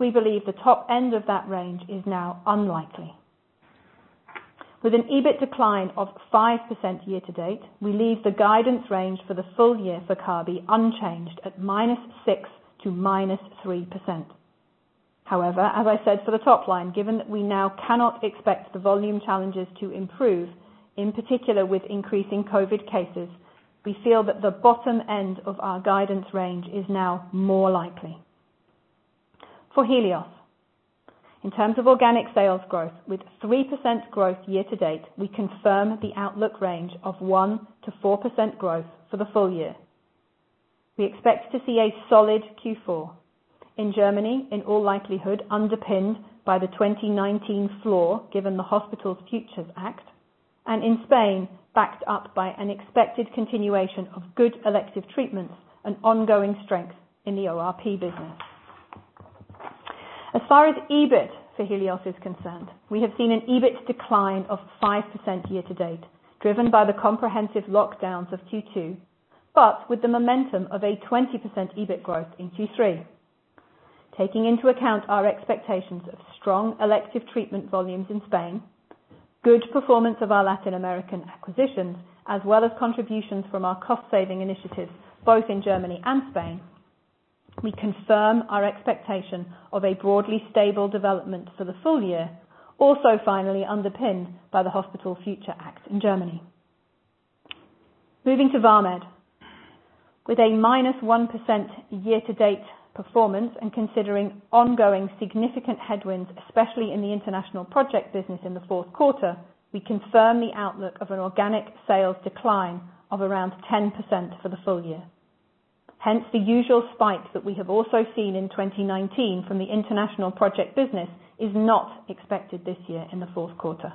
We believe the top end of that range is now unlikely. With an EBIT decline of 5% year to date, we leave the guidance range for the full year for Kabi unchanged at -6% to -3%. As I said for the top line, given that we now cannot expect the volume challenges to improve, in particular with increasing COVID cases, we feel that the bottom end of our guidance range is now more likely. For Helios, in terms of organic sales growth with 3% growth year to date, we confirm the outlook range of 1%-4% growth for the full year. We expect to see a solid Q4. In Germany, in all likelihood underpinned by the 2019 floor given the Hospital Future Act, and in Spain backed up by an expected continuation of good elective treatments and ongoing strength in the ORP business. As far as EBIT for Helios is concerned, we have seen an EBIT decline of 5% year to date, driven by the comprehensive lockdowns of Q2, but with the momentum of a 20% EBIT growth in Q3. Taking into account our expectations of strong elective treatment volumes in Spain, good performance of our Latin American acquisitions, as well as contributions from our cost saving initiatives both in Germany and Spain, we confirm our expectation of a broadly stable development for the full year. Finally underpinned by the Hospital Future Act in Germany. Moving to Vamed. With a -1% year-to-date performance and considering ongoing significant headwinds, especially in the international project business in the fourth quarter, we confirm the outlook of an organic sales decline of around 10% for the full year. Hence, the usual spike that we have also seen in 2019 from the international project business is not expected this year in the fourth quarter.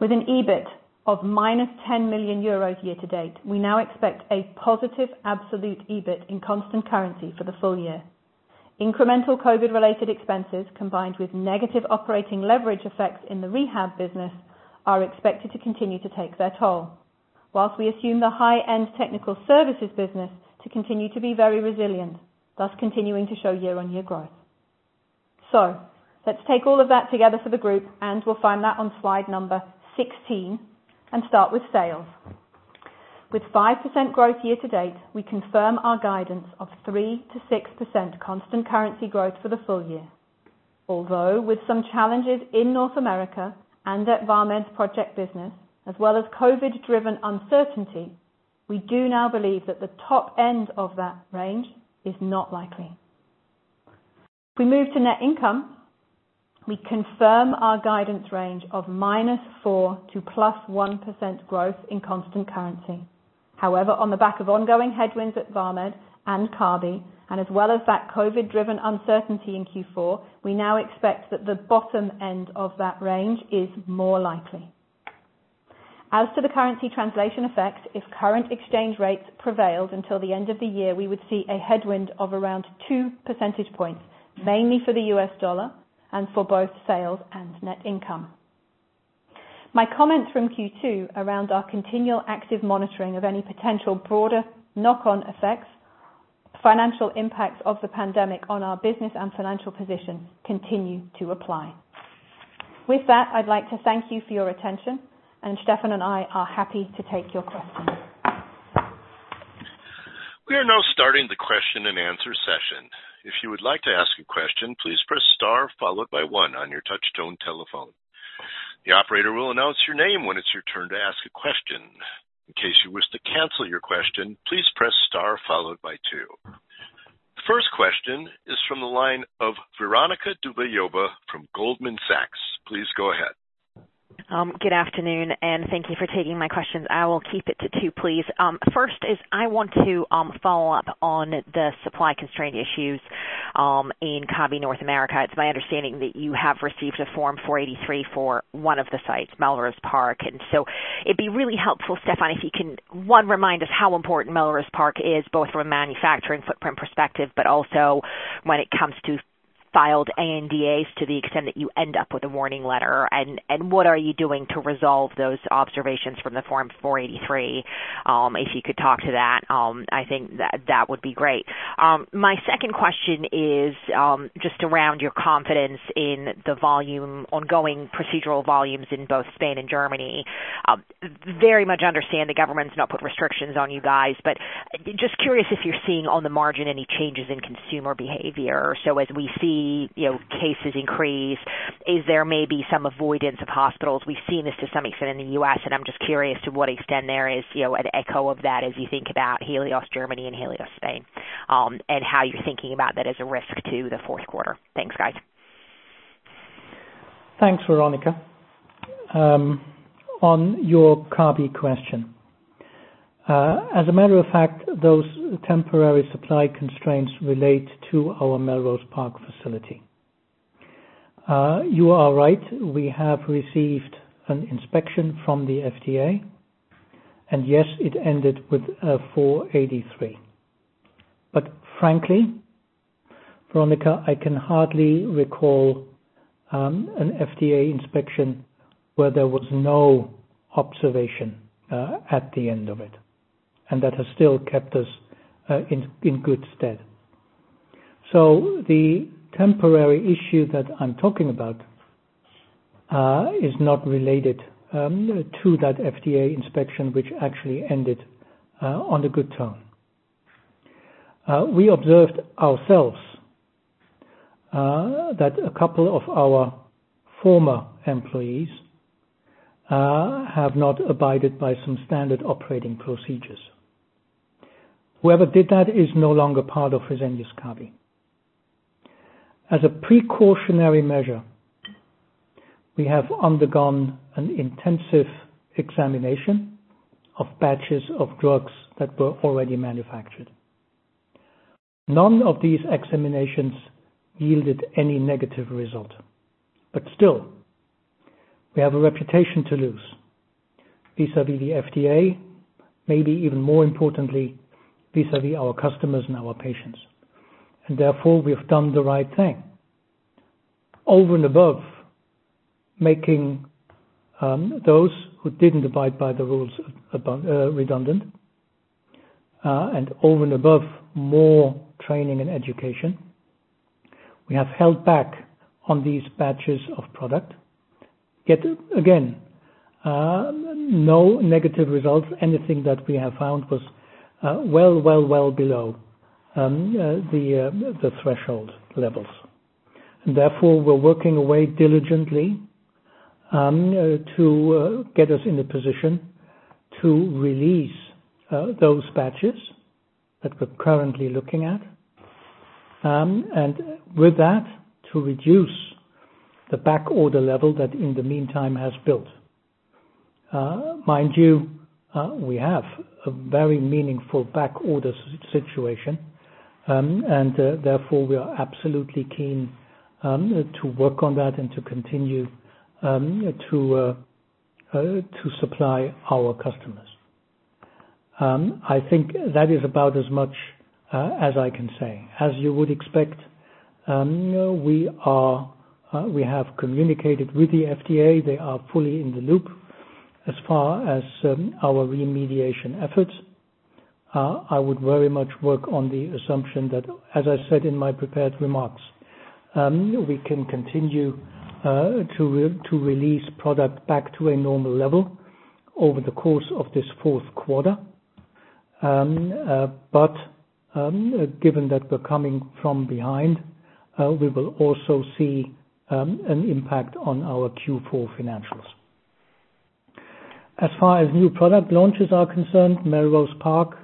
With an EBIT of -10 million euros year-to-date, we now expect a positive absolute EBIT in constant currency for the full year. Incremental COVID-related expenses, combined with negative operating leverage effects in the rehab business, are expected to continue to take their toll. Whilst we assume the high-end technical services business to continue to be very resilient, thus continuing to show year-on-year growth. Let's take all of that together for the group, and we'll find that on slide number 16, and start with sales. With 5% growth year to date, we confirm our guidance of 3%-6% constant currency growth for the full year. Although with some challenges in North America and at Vamed project business, as well as COVID driven uncertainty, we do now believe that the top end of that range is not likely. If we move to net income, we confirm our guidance range of -4% to +1% growth in constant currency. On the back of ongoing headwinds at Vamed and Kabi, and as well as that COVID driven uncertainty in Q4, we now expect that the bottom end of that range is more likely. As to the currency translation effect, if current exchange rates prevailed until the end of the year, we would see a headwind of around two percentage points, mainly for the U.S. dollar and for both sales and net income. My comments from Q2 around our continual active monitoring of any potential broader knock-on effects, financial impacts of the pandemic on our business and financial position continue to apply. With that, I'd like to thank you for your attention, and Stephan and I are happy to take your questions. We are now starting the question-and-answer session. If you would like to ask a question, please press star followed by one on your touchtone telephone. The operator will announce your name when it's your turn to ask a question. In case you wish to cancel your question, please press star followed by two. The first question is from the line of Veronika Dubajova from Goldman Sachs. Please go ahead. Good afternoon, and thank you for taking my questions. I will keep it to two, please. First is I want to follow up on the supply constraint issues in Kabi North America. It's my understanding that you have received a Form 483 for one of the sites, Melrose Park. It'd be really helpful, Stephan, if you can, one, remind us how important Melrose Park is, both from a manufacturing footprint perspective, but also when it comes to filed ANDAs to the extent that you end up with a warning letter. What are you doing to resolve those observations from the Form 483? If you could talk to that, I think that would be great. My second question is just around your confidence in the ongoing procedural volumes in both Spain and Germany. Very much understand the government's now put restrictions on you guys, just curious if you're seeing on the margin any changes in consumer behavior. As we see cases increase, is there may be some avoidance of hospitals? We've seen this to some extent in the U.S., I'm just curious to what extent there is an echo of that as you think about Helios Germany and Helios Spain, and how you're thinking about that as a risk to the fourth quarter. Thanks, guys. Thanks, Veronika. On your Kabi question. As a matter of fact, those temporary supply constraints relate to our Melrose Park facility. You are right, we have received an inspection from the FDA, and yes, it ended with a Form 483. Frankly, Veronika, I can hardly recall an FDA inspection where there was no observation at the end of it, and that has still kept us in good stead. The temporary issue that I'm talking about is not related to that FDA inspection, which actually ended on a good tone. We observed ourselves that a couple of our former employees have not abided by some standard operating procedures. Whoever did that is no longer part of Fresenius Kabi. As a precautionary measure, we have undergone an intensive examination of batches of drugs that were already manufactured. None of these examinations yielded any negative result, but still, we have a reputation to lose vis-à-vis the FDA, maybe even more importantly, vis-à-vis our customers and our patients. Therefore, we have done the right thing. Over and above making those who didn't abide by the rules redundant, and over and above more training and education, we have held back on these batches of product. Yet again, no negative results. Anything that we have found was well below the threshold levels. Therefore, we're working away diligently to get us in a position to release those batches that we're currently looking at. With that, to reduce the back order level that in the meantime has built. Mind you, we have a very meaningful back order situation, and therefore we are absolutely keen to work on that and to continue to supply our customers. I think that is about as much as I can say. As you would expect, we have communicated with the FDA. They are fully in the loop as far as our remediation efforts. I would very much work on the assumption that, as I said in my prepared remarks, we can continue to release product back to a normal level over the course of this fourth quarter. Given that we're coming from behind, we will also see an impact on our Q4 financials. As far as new product launches are concerned, Melrose Park,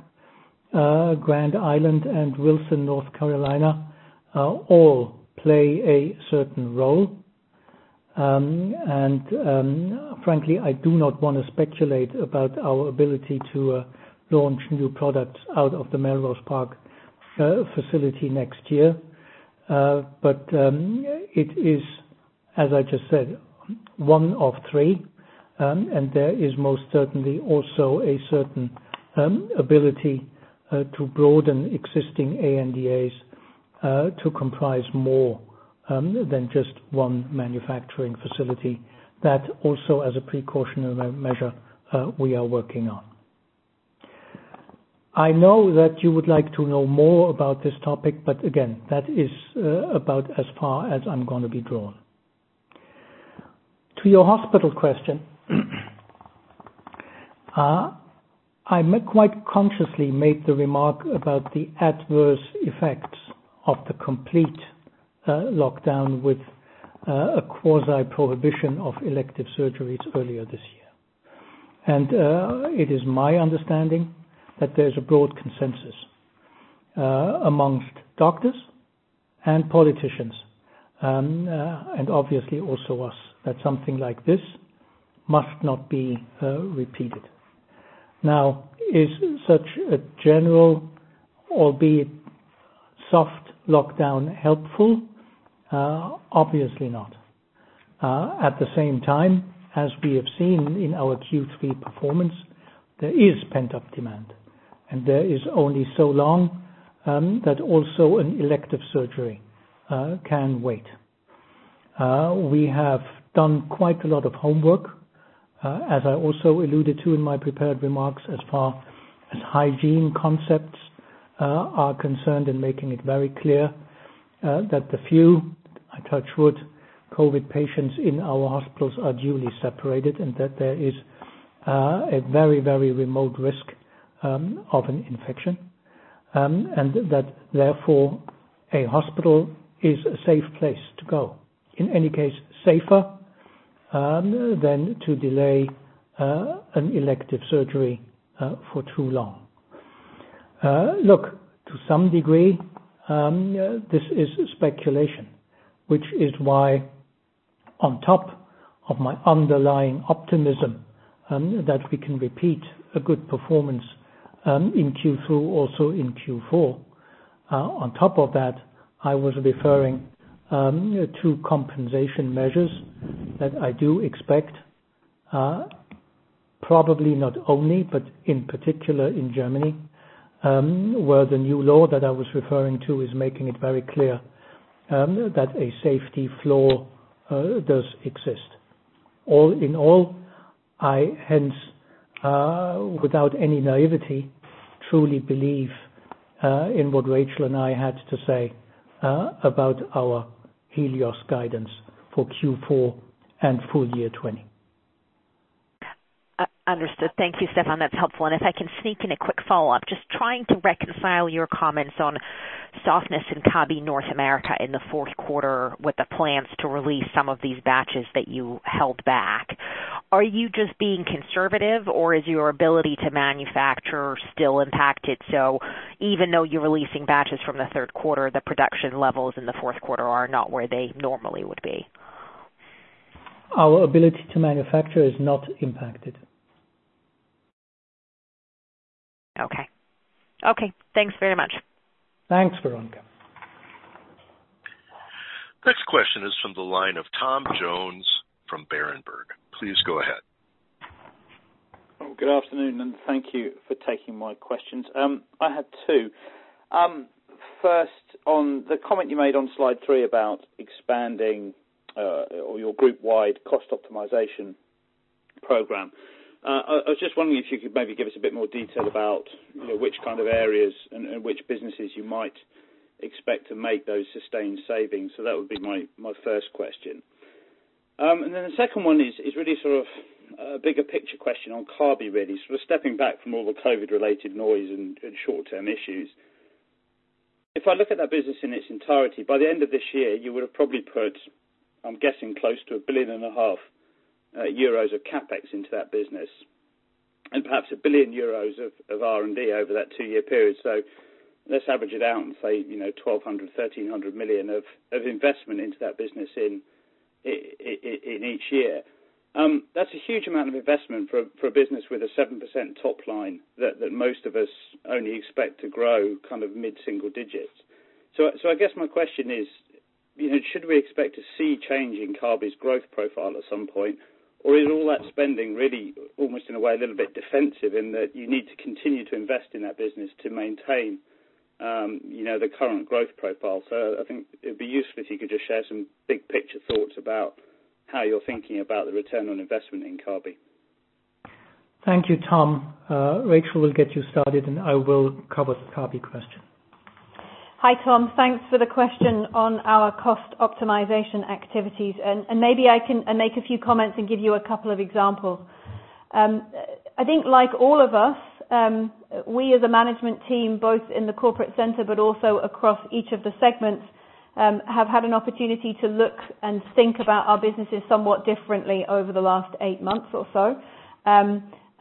Grand Island, and Wilson, North Carolina, all play a certain role. Frankly, I do not want to speculate about our ability to launch new products out of the Melrose Park facility next year. It is, as I just said, one of three. There is most certainly also a certain ability to broaden existing ANDAs to comprise more than just one manufacturing facility. That also as a precautionary measure we are working on. I know that you would like to know more about this topic. Again, that is about as far as I'm going to be drawn. To your hospital question, I quite consciously made the remark about the adverse effects of the complete lockdown with a quasi-prohibition of elective surgeries earlier this year. It is my understanding that there's a broad consensus amongst doctors and politicians, and obviously also us, that something like this must not be repeated. Is such a general, albeit soft lockdown helpful? Obviously not. At the same time, as we have seen in our Q3 performance, there is pent-up demand, and there is only so long that also an elective surgery can wait. We have done quite a lot of homework, as I also alluded to in my prepared remarks, as far as hygiene concepts are concerned in making it very clear that the few, I touch wood, COVID patients in our hospitals are duly separated and that there is a very remote risk of an infection. That therefore a hospital is a safe place to go. In any case, safer than to delay an elective surgery for too long. Look, to some degree, this is speculation, which is why on top of my underlying optimism that we can repeat a good performance in Q2, also in Q4. On top of that, I was referring to compensation measures that I do expect probably not only, but in particular in Germany, where the new law that I was referring to is making it very clear that a safety floor does exist. All in all, I hence, without any naivety, truly believe in what Rachel and I had to say about our Helios guidance for Q4 and full year 2020. Understood. Thank you, Stephan. That's helpful. If I can sneak in a quick follow-up, just trying to reconcile your comments on softness in Kabi North America in the fourth quarter with the plans to release some of these batches that you held back. Are you just being conservative or is your ability to manufacture still impacted? Even though you're releasing batches from the third quarter, the production levels in the fourth quarter are not where they normally would be. Our ability to manufacture is not impacted. Okay. Thanks very much. Thanks, Veronika. Next question is from the line of Tom Jones from Berenberg. Please go ahead. Good afternoon, and thank you for taking my questions. I had two. First, on the comment you made on slide three about expanding or your group-wide cost optimization program. I was just wondering if you could maybe give us a bit more detail about which kind of areas and which businesses you might expect to make those sustained savings. That would be my first question. The second one is really sort of a bigger picture question on Kabi, really. Sort of stepping back from all the COVID-related noise and short-term issues. If I look at that business in its entirety, by the end of this year, you would have probably put, I'm guessing, close to a billion and a half euros of CapEx into that business, and perhaps 1 billion euros of R&D over that two-year period. Let's average it out and say, 1.2 billion-1.3 billion of investment into that business in each year. That's a huge amount of investment for a business with a 7% top line that most of us only expect to grow kind of mid-single digits. I guess my question is, should we expect to see change in Kabi's growth profile at some point? Or is all that spending really almost in a way a little bit defensive in that you need to continue to invest in that business to maintain the current growth profile? I think it'd be useful if you could just share some big-picture thoughts about how you're thinking about the return on investment in Kabi. Thank you, Tom. Rachel will get you started, and I will cover the Kabi question. Hi, Tom. Thanks for the question on our cost optimization activities, and maybe I can make a few comments and give you a couple of examples. I think like all of us, we as a management team, both in the corporate center but also across each of the segments, have had an opportunity to look and think about our businesses somewhat differently over the last eight months or so.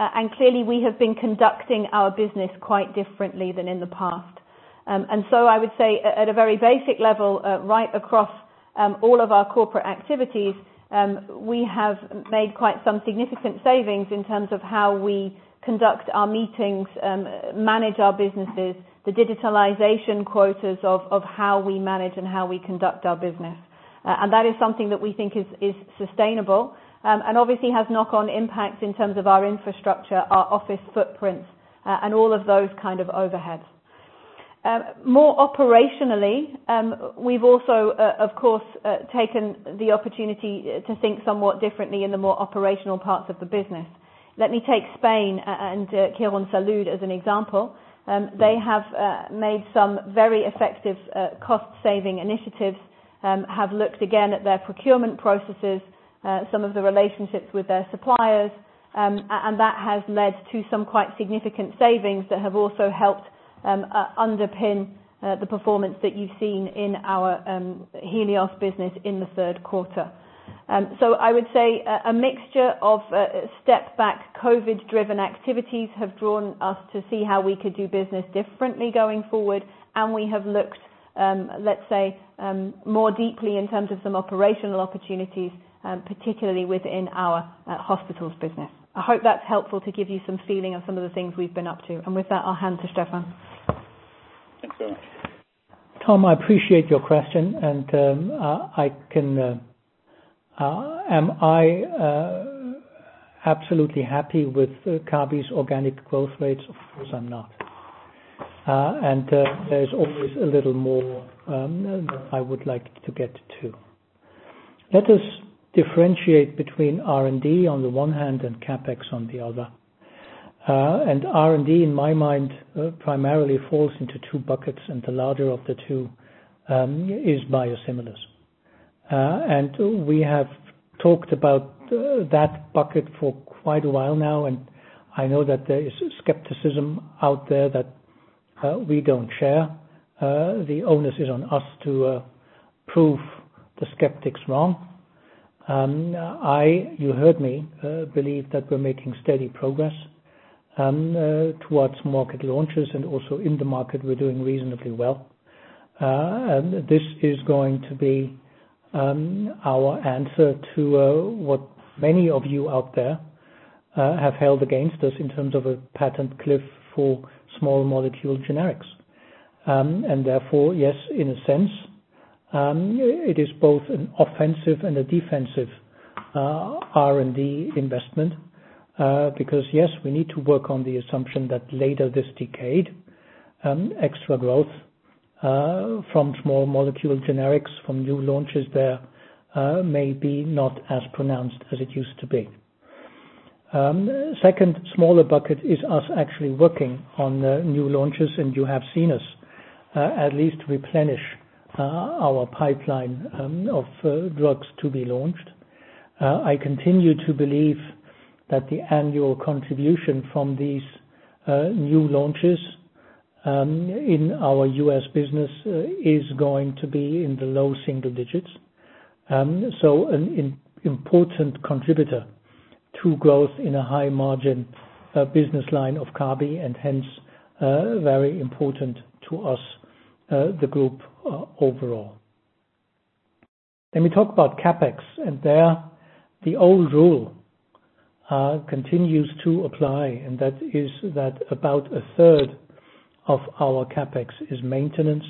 Clearly we have been conducting our business quite differently than in the past. I would say at a very basic level, right across all of our corporate activities, we have made quite some significant savings in terms of how we conduct our meetings, manage our businesses, the digitalization quotas of how we manage and how we conduct our business. That is something that we think is sustainable, and obviously has knock-on impacts in terms of our infrastructure, our office footprints, and all of those kind of overheads. More operationally, we've also, of course, taken the opportunity to think somewhat differently in the more operational parts of the business. Let me take Spain and Quirónsalud as an example. They have made some very effective cost-saving initiatives, have looked again at their procurement processes, some of the relationships with their suppliers, and that has led to some quite significant savings that have also helped underpin the performance that you've seen in our Helios business in the third quarter. I would say a mixture of step back COVID-driven activities have drawn us to see how we could do business differently going forward. We have looked, let's say, more deeply in terms of some operational opportunities, particularly within our hospitals business. I hope that's helpful to give you some feeling of some of the things we've been up to. With that, I'll hand to Stephan. Thanks you. Tom, I appreciate your question, and am I absolutely happy with Kabi's organic growth rates? Of course, I'm not. There is always a little more that I would like to get to. Let us differentiate between R&D on the one hand and CapEx on the other. R&D, in my mind, primarily falls into two buckets, and the larger of the two is biosimilars. We have talked about that bucket for quite a while now, and I know that there is skepticism out there that we don't share. The onus is on us to prove the skeptics wrong. I, you heard me, believe that we're making steady progress towards market launches and also in the market we're doing reasonably well. This is going to be our answer to what many of you out there have held against us in terms of a patent cliff for small molecule generics. Therefore, yes, in a sense, it is both an offensive and a defensive R&D investment, because yes, we need to work on the assumption that later this decade, extra growth from small molecule generics, from new launches there, may be not as pronounced as it used to be. Second smaller bucket is us actually working on new launches, and you have seen us at least replenish our pipeline of drugs to be launched. I continue to believe that the annual contribution from these new launches in our U.S. business is going to be in the low single digits. An important contributor to growth in a high margin business line of Kabi and hence, very important to us, the group overall. Let me talk about CapEx. There the old rule continues to apply, and that is that about a third of our CapEx is maintenance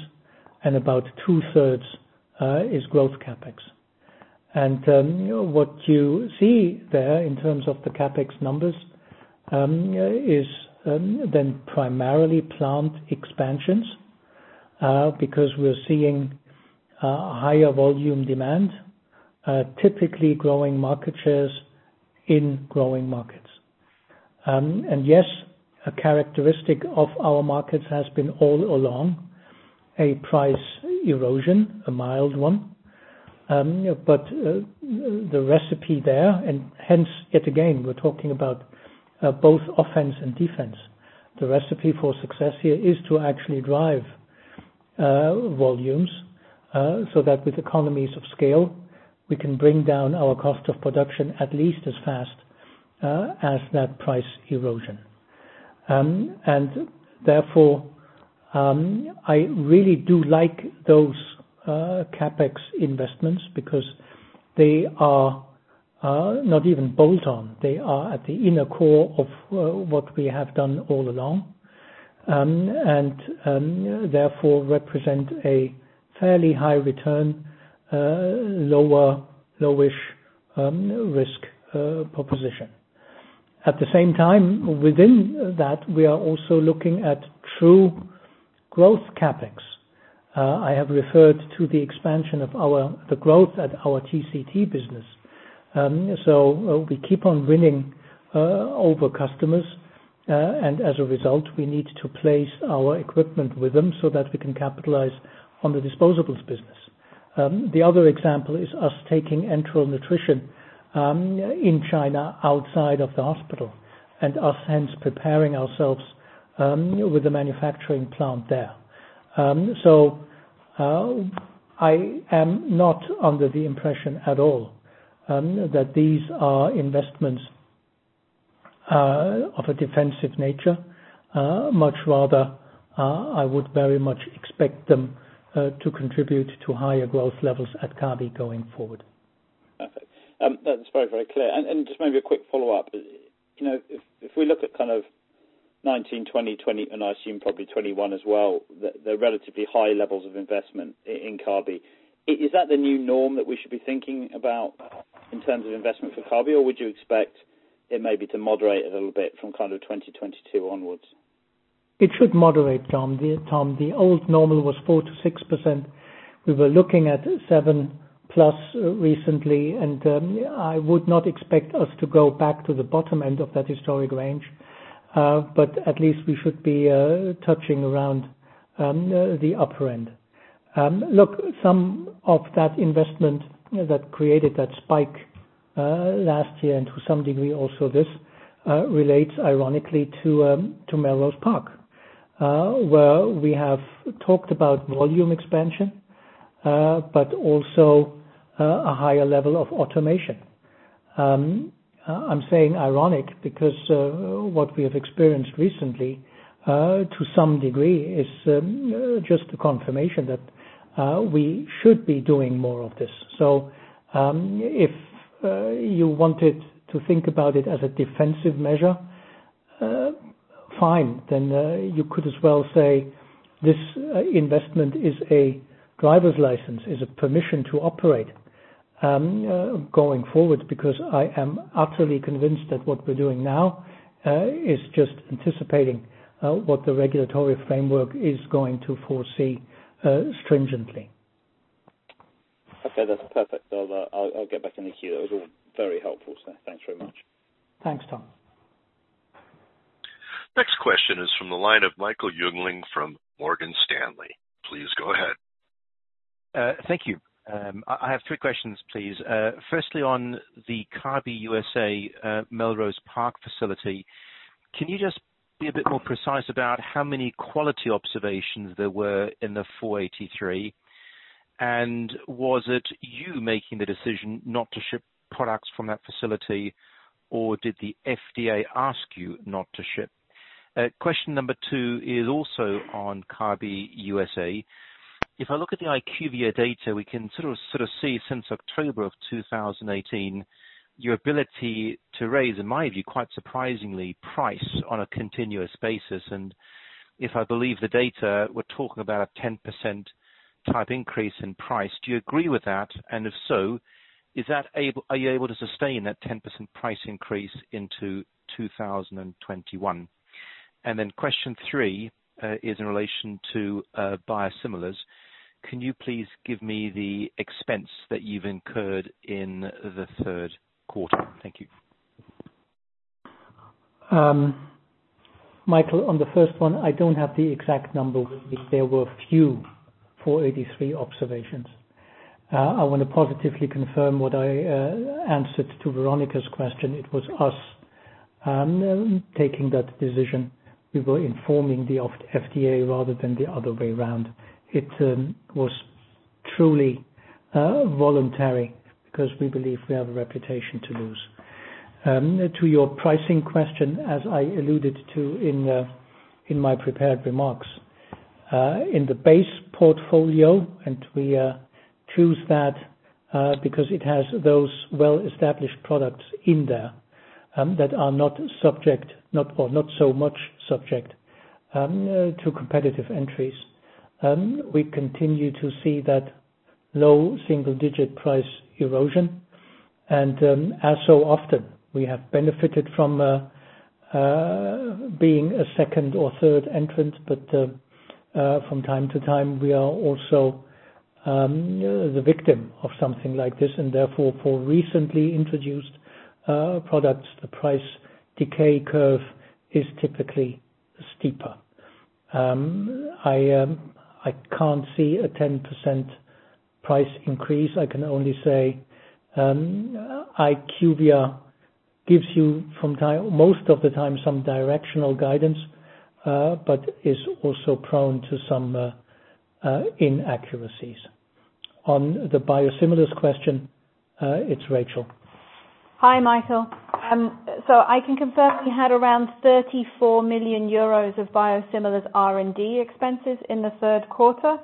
and about two-thirds is growth CapEx. What you see there in terms of the CapEx numbers is then primarily plant expansions, because we're seeing higher volume demand, typically growing market shares in growing markets. Yes, a characteristic of our markets has been all along a price erosion, a mild one. The recipe there and hence yet again, we're talking about both offense and defense. The recipe for success here is to actually drive volumes, so that with economies of scale, we can bring down our cost of production at least as fast as that price erosion. Therefore, I really do like those CapEx investments because they are not even bolt on. They are at the inner core of what we have done all along. Therefore represent a fairly high return, lowish risk proposition. At the same time, within that, we are also looking at true growth CapEx. I have referred to the expansion of the growth at our TCT business. We keep on winning over customers, and as a result, we need to place our equipment with them so that we can capitalize on the disposables business. The other example is us taking enteral nutrition in China outside of the hospital and us hence preparing ourselves with a manufacturing plant there. I am not under the impression at all that these are investments of a defensive nature. Much rather, I would very much expect them to contribute to higher growth levels at Kabi going forward. Perfect. That's very clear. Just maybe a quick follow-up. If we look at kind of 2019, 2020, and I assume probably 2021 as well, the relatively high levels of investment in Kabi. Is that the new norm that we should be thinking about in terms of investment for Kabi, or would you expect it maybe to moderate a little bit from 2022 onwards? It should moderate, Tom. The old normal was 4%-6%. We were looking at 7%+ recently. I would not expect us to go back to the bottom end of that historic range. At least we should be touching around the upper end. Look, some of that investment that created that spike last year, and to some degree also this, relates ironically to Melrose Park, where we have talked about volume expansion, but also a higher level of automation. I'm saying ironic because what we have experienced recently, to some degree, is just a confirmation that we should be doing more of this. If you wanted to think about it as a defensive measure, fine. You could as well say this investment is a driver's license, is a permission to operate going forward, because I am utterly convinced that what we're doing now is just anticipating what the regulatory framework is going to foresee stringently. Okay, that's perfect. I'll get back in the queue. That was all very helpful, thanks very much. Thanks, Tom. Next question is from the line of Michael Jüngling from Morgan Stanley. Please go ahead. Thank you. I have three questions, please. Firstly, on the Kabi U.S.A. Melrose Park facility, can you just be a bit more precise about how many quality observations there were in the Form 483? Was it you making the decision not to ship products from that facility, or did the FDA ask you not to ship? Question number two is also on Kabi U.S.A. If I look at the IQVIA data, we can sort of see since October of 2018, your ability to raise, in my view, quite surprisingly, price on a continuous basis. If I believe the data, we're talking about a 10% type increase in price. Do you agree with that? If so, are you able to sustain that 10% price increase into 2021? Question three is in relation to biosimilars. Can you please give me the expense that you've incurred in the third quarter? Thank you. Michael, on the first one, I don't have the exact number. There were few Form 483 observations. I want to positively confirm what I answered to Veronika's question. It was us taking that decision. We were informing the FDA rather than the other way around. It was truly voluntary because we believe we have a reputation to lose. To your pricing question, as I alluded to in my prepared remarks. In the base portfolio, and we choose that because it has those well-established products in there that are not subject, or not so much subject to competitive entries. We continue to see that low single digit price erosion. As so often, we have benefited from being a second or third entrant. From time to time, we are also the victim of something like this. Therefore, for recently introduced products, the price decay curve is typically steeper. I can't see a 10% price increase. I can only say IQVIA gives you, most of the time, some directional guidance, but is also prone to some inaccuracies. On the biosimilars question, it's Rachel. Hi, Michael. I can confirm we had around 34 million euros of biosimilars R&D expenses in the third quarter.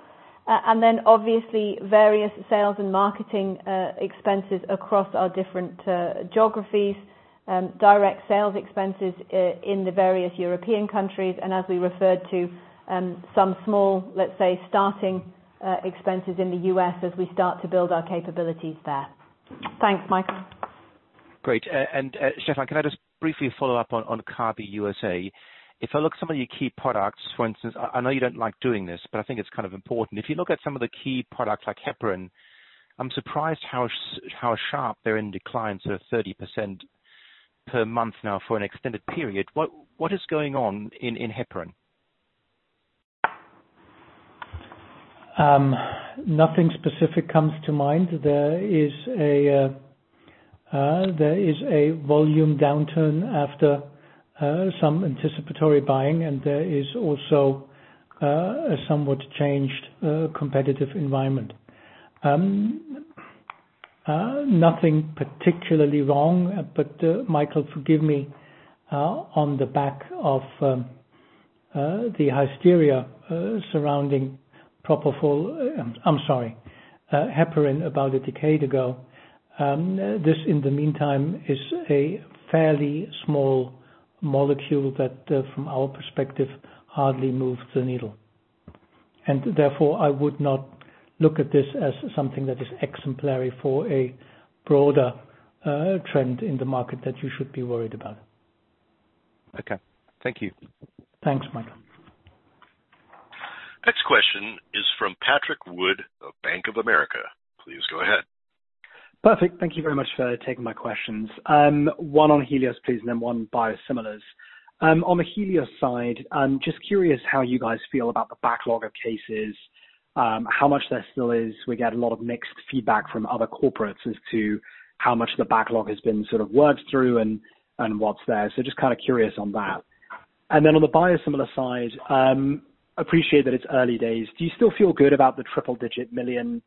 Obviously various sales and marketing expenses across our different geographies, direct sales expenses in the various European countries. As we referred to, some small, let’s say, starting expenses in the U.S. as we start to build our capabilities there. Thanks, Michael. Great. Stephan, can I just briefly follow up on Kabi U.S.A.? If I look at some of your key products, for instance, I know you don't like doing this, but I think it's kind of important. If you look at some of the key products like heparin, I'm surprised how sharp they're in decline, sort of 30% per month now for an extended period. What is going on in heparin? Nothing specific comes to mind. There is a volume downturn after some anticipatory buying, and there is also a somewhat changed competitive environment. Nothing particularly wrong, Michael, forgive me, on the back of the hysteria surrounding heparin about a decade ago. This, in the meantime, is a fairly small molecule that from our perspective, hardly moves the needle. Therefore, I would not look at this as something that is exemplary for a broader trend in the market that you should be worried about. Okay. Thank you. Thanks, Michael. Next question is from Patrick Wood of Bank of America. Please go ahead. Perfect. Thank you very much for taking my questions. One on Helios, please, then one biosimilars. On the Helios side, just curious how you guys feel about the backlog of cases, how much there still is. We get a lot of mixed feedback from other corporates as to how much the backlog has been sort of worked through and what's there. Just kind of curious on that. Then on the biosimilar side, appreciate that it's early days. Do you still feel good about the triple digit million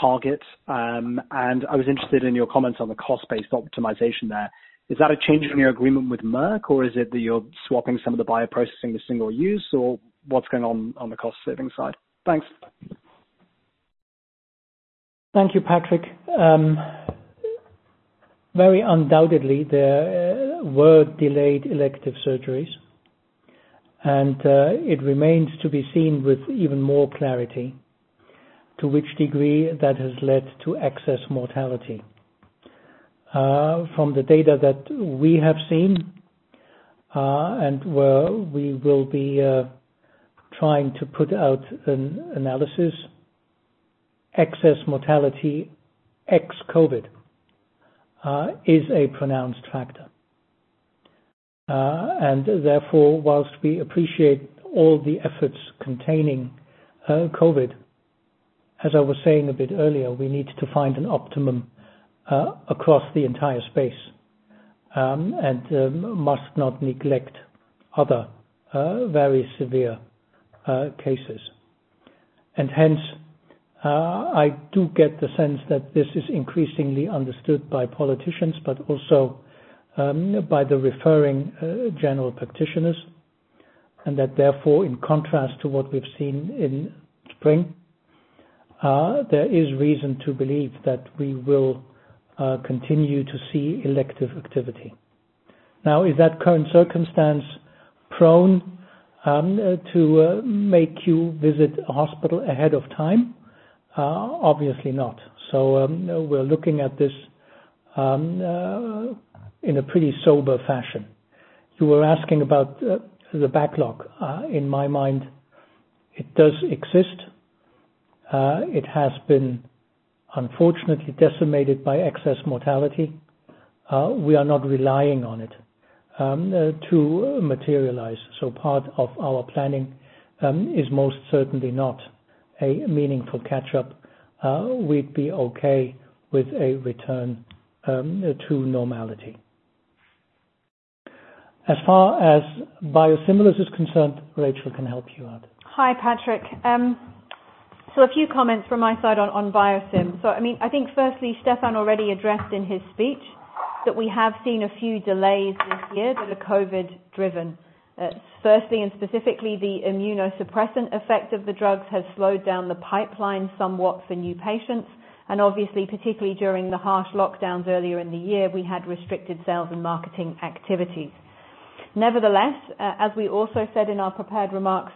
target? I was interested in your comments on the cost-based optimization there. Is that a change in your agreement with Merck, or is it that you're swapping some of the bioprocessing to single use, or what's going on the cost-saving side? Thanks. Thank you, Patrick. Very undoubtedly, there were delayed elective surgeries, it remains to be seen with even more clarity to which degree that has led to excess mortality. From the data that we have seen, where we will be trying to put out an analysis, excess mortality ex-COVID is a pronounced factor. Therefore, whilst we appreciate all the efforts containing COVID, as I was saying a bit earlier, we need to find an optimum across the entire space, and must not neglect other very severe cases. Hence, I do get the sense that this is increasingly understood by politicians, but also by the referring general practitioners, and that therefore, in contrast to what we've seen in spring, there is reason to believe that we will continue to see elective activity. Now, is that current circumstance prone to make you visit a hospital ahead of time? Obviously not. We're looking at this in a pretty sober fashion. You were asking about the backlog. In my mind, it does exist. It has been unfortunately decimated by excess mortality. We are not relying on it to materialize. Part of our planning is most certainly not a meaningful catch-up. We'd be okay with a return to normality. As far as biosimilars is concerned, Rachel can help you out. Hi, Patrick. A few comments from my side on biosim. I think firstly, Stephan already addressed in his speech that we have seen a few delays this year that are COVID driven. Firstly and specifically, the immunosuppressant effect of the drugs has slowed down the pipeline somewhat for new patients. Obviously, particularly during the harsh lockdowns earlier in the year, we had restricted sales and marketing activities. Nevertheless, as we also said in our prepared remarks,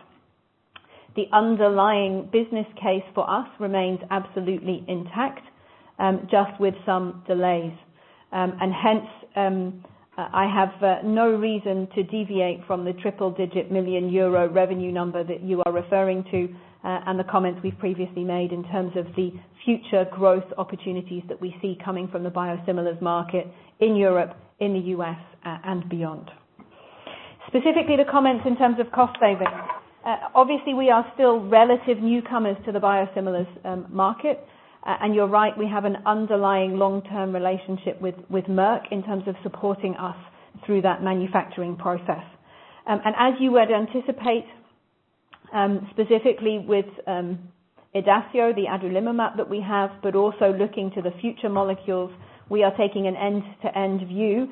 the underlying business case for us remains absolutely intact, just with some delays. Hence, I have no reason to deviate from the triple digit million euro revenue number that you are referring to, and the comments we've previously made in terms of the future growth opportunities that we see coming from the biosimilars market in Europe, in the U.S., and beyond. Specifically, the comments in terms of cost savings. Obviously, we are still relative newcomers to the biosimilars market. You're right, we have an underlying long-term relationship with Merck in terms of supporting us through that manufacturing process. As you would anticipate, specifically with IDACIO, the adalimumab that we have, but also looking to the future molecules, we are taking an end-to-end view,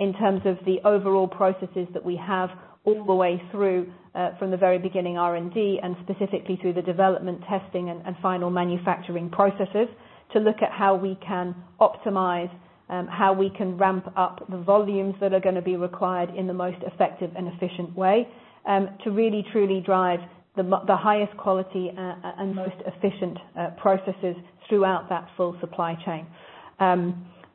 in terms of the overall processes that we have all the way through, from the very beginning R&D, and specifically through the development testing and final manufacturing processes, to look at how we can optimize, how we can ramp up the volumes that are going to be required in the most effective and efficient way, to really, truly drive the highest quality and most efficient processes throughout that full supply chain.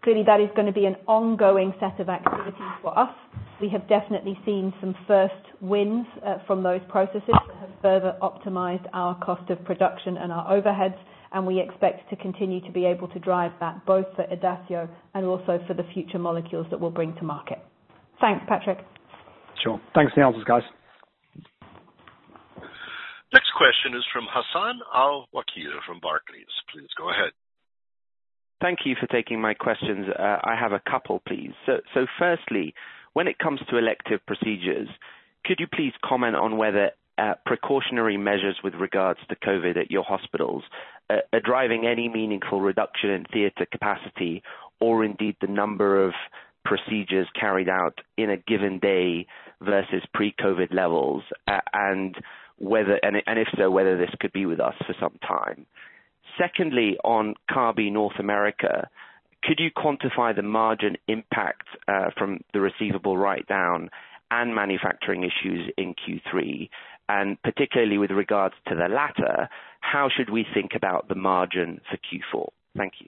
Clearly, that is going to be an ongoing set of activities for us. We have definitely seen some first wins from those processes that have further optimized our cost of production and our overheads, and we expect to continue to be able to drive that both for IDACIO and also for the future molecules that we'll bring to market. Thanks, Patrick. Sure. Thanks for the answers, guys. Next question is from Hassan Al-Wakeel from Barclays. Please go ahead. Thank you for taking my questions. I have a couple, please. Firstly, when it comes to elective procedures, could you please comment on whether precautionary measures with regards to COVID at your hospitals, are driving any meaningful reduction in theater capacity, or indeed the number of procedures carried out in a given day versus pre-COVID levels, and if so, whether this could be with us for some time. Secondly, on Kabi North America, could you quantify the margin impact from the receivable write-down and manufacturing issues in Q3? Particularly with regards to the latter, how should we think about the margin for Q4? Thank you.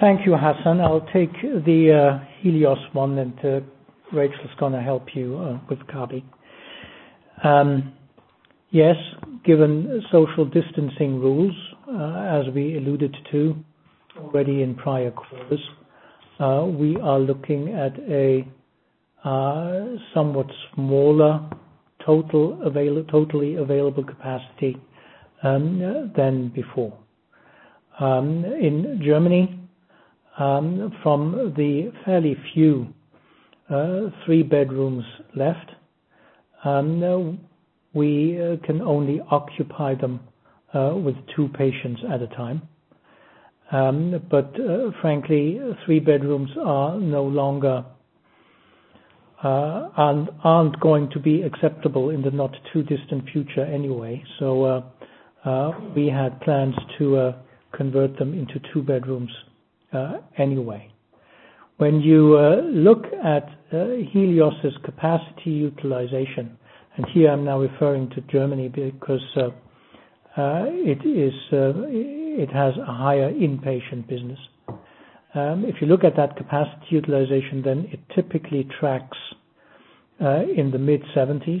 Thank you, Hassan. I'll take the Helios one, and Rachel's going to help you with Kabi. Yes, given social distancing rules, as we alluded to already in prior quarters, we are looking at a somewhat smaller totally available capacity than before. In Germany, from the fairly few three bedrooms left, we can only occupy them with two patients at a time. Frankly, three bedrooms aren't going to be acceptable in the not too distant future anyway. We had plans to convert them into two bedrooms anyway. When you look at Helios' capacity utilization, and here I'm now referring to Germany because it has a higher inpatient business. If you look at that capacity utilization, then it typically tracks in the mid-70s%.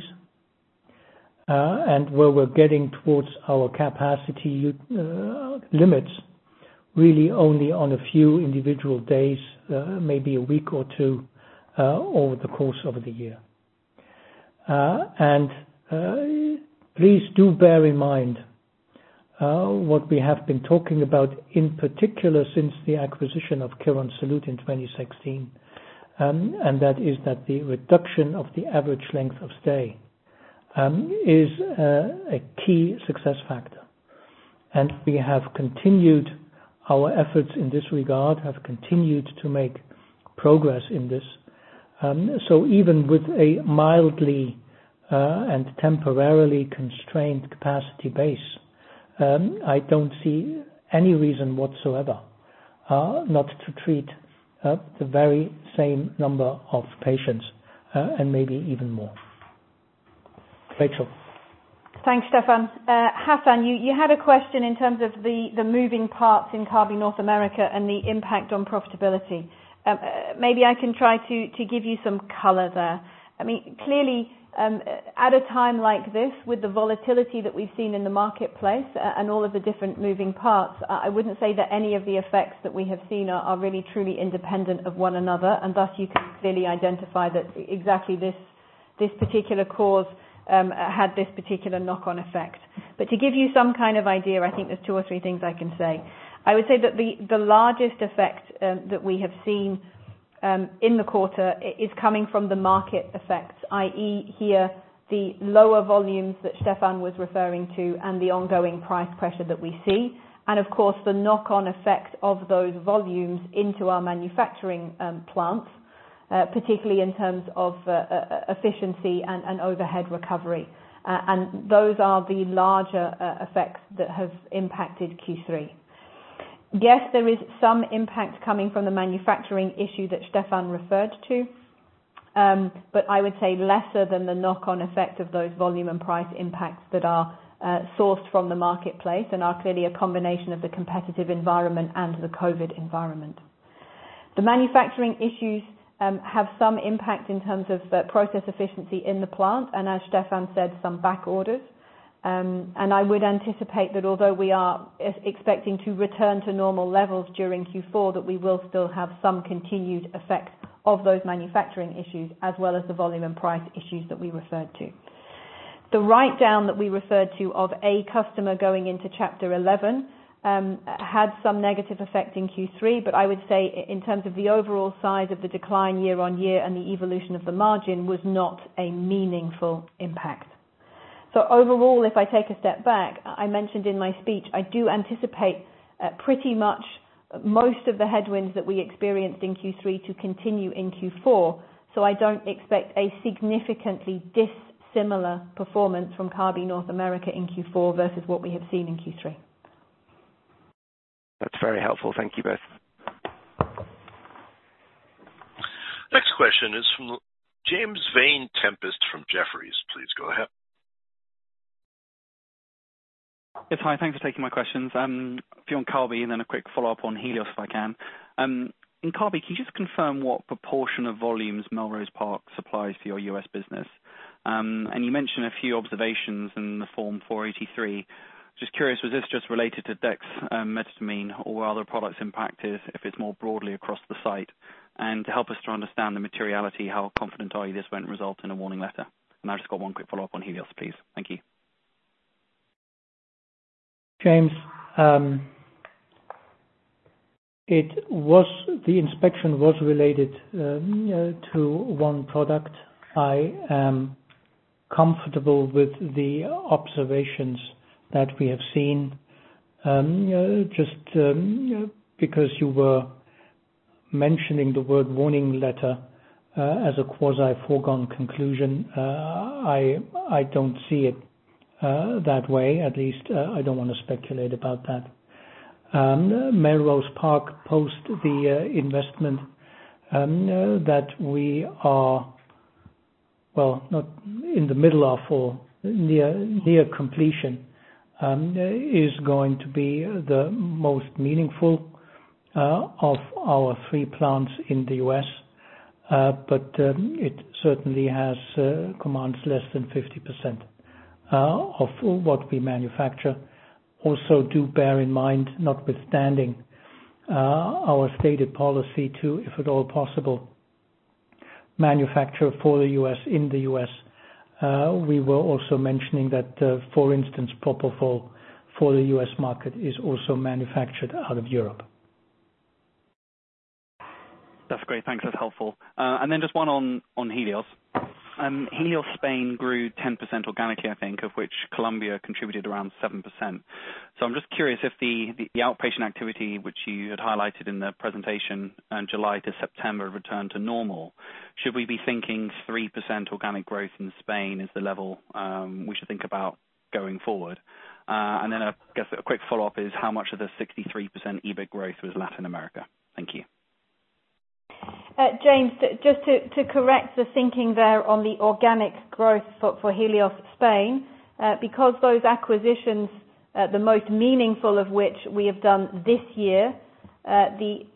Where we're getting towards our capacity limits, really only on a few individual days, maybe a week or two, over the course of the year. Please do bear in mind what we have been talking about, in particular since the acquisition of Quirónsalud in 2016, and that is that the reduction of the average length of stay is a key success factor. We have continued our efforts in this regard, have continued to make progress in this. Even with a mildly and temporarily constrained capacity base, I don't see any reason whatsoever not to treat the very same number of patients, and maybe even more. Rachel. Thanks, Stephan. Hassan, you had a question in terms of the moving parts in Kabi North America and the impact on profitability. Maybe I can try to give you some color there. Clearly, at a time like this, with the volatility that we've seen in the marketplace and all of the different moving parts, I wouldn't say that any of the effects that we have seen are really truly independent of one another, and thus you can clearly identify that exactly this particular cause had this particular knock-on effect. To give you some kind of idea, I think there's two or three things I can say. I would say that the largest effect that we have seen in the quarter is coming from the market effects, i.e., here, the lower volumes that Stephan was referring to and the ongoing price pressure that we see. Of course, the knock-on effect of those volumes into our manufacturing plants, particularly in terms of efficiency and overhead recovery. Those are the larger effects that have impacted Q3. Yes, there is some impact coming from the manufacturing issue that Stephan referred to, but I would say lesser than the knock-on effect of those volume and price impacts that are sourced from the marketplace and are clearly a combination of the competitive environment and the COVID environment. The manufacturing issues have some impact in terms of process efficiency in the plant, and as Stephan said, some back orders. I would anticipate that although we are expecting to return to normal levels during Q4, that we will still have some continued effects of those manufacturing issues as well as the volume and price issues that we referred to. The write-down that we referred to of a customer going into Chapter 11, had some negative effect in Q3, but I would say in terms of the overall size of the decline year-on-year and the evolution of the margin, was not a meaningful impact. Overall, if I take a step back, I mentioned in my speech, I do anticipate pretty much most of the headwinds that we experienced in Q3 to continue in Q4. I don't expect a significantly dissimilar performance from Kabi North America in Q4 versus what we have seen in Q3. That's very helpful. Thank you both. Next question is from James Vane-Tempest from Jefferies. Please go ahead. Yes. Hi. Thanks for taking my questions. A few on Kabi and then a quick follow-up on Helios, if I can. In Kabi, can you just confirm what proportion of volumes Melrose Park supplies for your U.S. business? You mentioned a few observations in the Form 483. Just curious, was this just related to dexmedetomidine or were other products impacted if it's more broadly across the site? To help us to understand the materiality, how confident are you this won't result in a warning letter? I've just got one quick follow-up on Helios, please. Thank you. James, the inspection was related to one product. I am comfortable with the observations that we have seen. Just because you were mentioning the word warning letter as a quasi foregone conclusion, I don't see it that way. At least I don't want to speculate about that. Melrose Park post the investment that we are, well, not in the middle of or near completion, is going to be the most meaningful of our three plants in the U.S. It certainly commands less than 50% of what we manufacture. Also do bear in mind, notwithstanding our stated policy to, if at all possible, manufacture for the U.S., in the U.S. We were also mentioning that, for instance, propofol for the U.S. market is also manufactured out of Europe. That's great. Thanks. That's helpful. Just one on Helios. Helios Spain grew 10% organically, I think, of which Colombia contributed around 7%. I'm just curious if the outpatient activity, which you had highlighted in the presentation in July to September, returned to normal. Should we be thinking 3% organic growth in Spain is the level we should think about going forward? I guess a quick follow-up is how much of the 63% EBIT growth was Latin America? Thank you. James, just to correct the thinking there on the organic growth for Helios Spain. Those acquisitions, the most meaningful of which we have done this year, the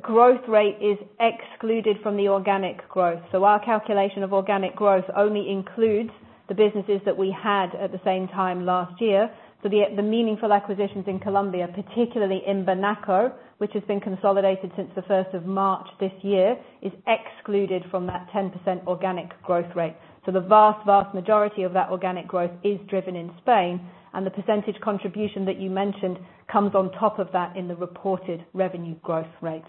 growth rate is excluded from the organic growth. Our calculation of organic growth only includes the businesses that we had at the same time last year. The meaningful acquisitions in Colombia, particularly Imbanaco, which has been consolidated since the first of March this year, is excluded from that 10% organic growth rate. The vast majority of that organic growth is driven in Spain, and the percentage contribution that you mentioned comes on top of that in the reported revenue growth rates.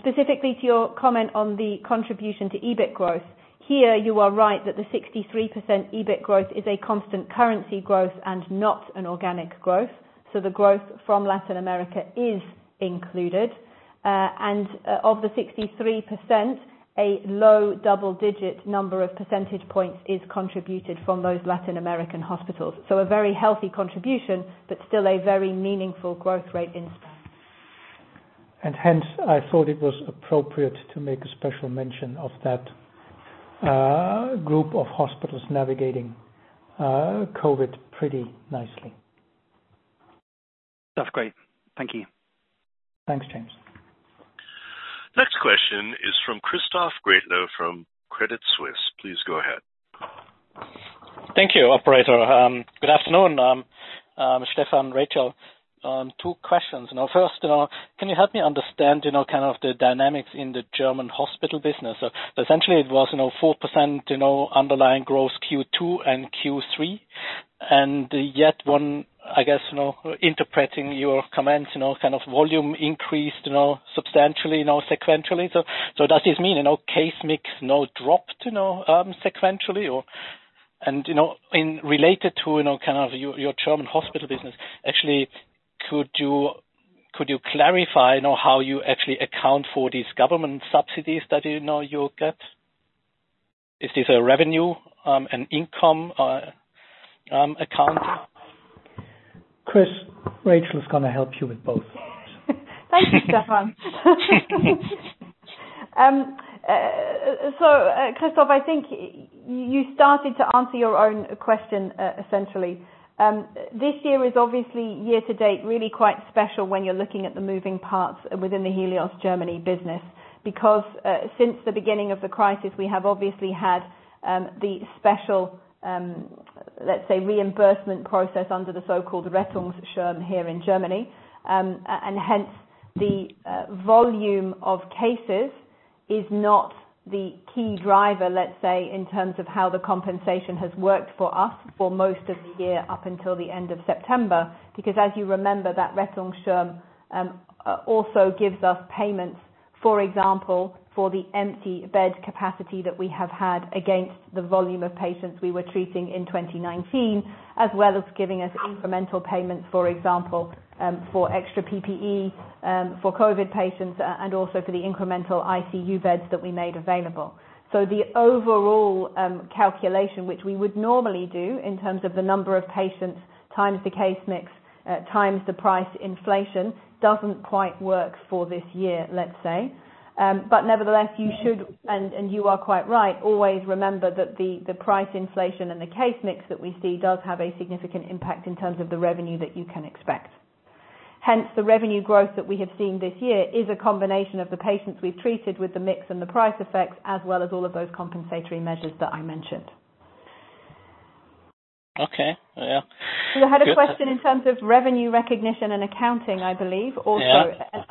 Specifically to your comment on the contribution to EBIT growth. Here you are right that the 63% EBIT growth is a constant currency growth and not an organic growth. The growth from Latin America is included, and of the 63%, a low double-digit number of percentage points is contributed from those Latin American hospitals. A very healthy contribution, but still a very meaningful growth rate in Spain. Hence, I thought it was appropriate to make a special mention of that group of hospitals navigating COVID pretty nicely. That's great. Thank you. Thanks, James. Next question is from Christoph Gretler from Credit Suisse. Please go ahead. Thank you, operator. Good afternoon, Stephan, Rachel. Two questions. First, can you help me understand kind of the dynamics in the German hospital business? Essentially it was 4% underlying growth Q2 and Q3. I guess, interpreting your comments, kind of volume increased substantially sequentially. Does this mean case mix dropped sequentially? Related to your German hospital business. Actually, could you clarify how you actually account for these government subsidies that you get? Is this a revenue, an income account? Chris, Rachel is going to help you with both of those. Thank you, Stephan. Christoph, I think you started to answer your own question, essentially. This year is obviously year to date, really quite special when you're looking at the moving parts within the Helios Germany business, because since the beginning of the crisis, we have obviously had the special, let's say, reimbursement process under the so-called Rettungsschirm here in Germany. Hence the volume of cases is not the key driver, let's say, in terms of how the compensation has worked for us for most of the year up until the end of September. As you remember, that Rettungsschirm also gives us payments, for example, for the empty bed capacity that we have had against the volume of patients we were treating in 2019, as well as giving us incremental payments, for example, for extra PPE for COVID patients and also for the incremental ICU beds that we made available. The overall calculation, which we would normally do in terms of the number of patients, times the case mix, times the price inflation, doesn't quite work for this year, let's say. Nevertheless, you should, and you are quite right, always remember that the price inflation and the case mix that we see does have a significant impact in terms of the revenue that you can expect. The revenue growth that we have seen this year is a combination of the patients we've treated with the mix and the price effects, as well as all of those compensatory measures that I mentioned. Okay. Yeah. Good. You had a question in terms of revenue recognition and accounting, I believe, also. Yeah.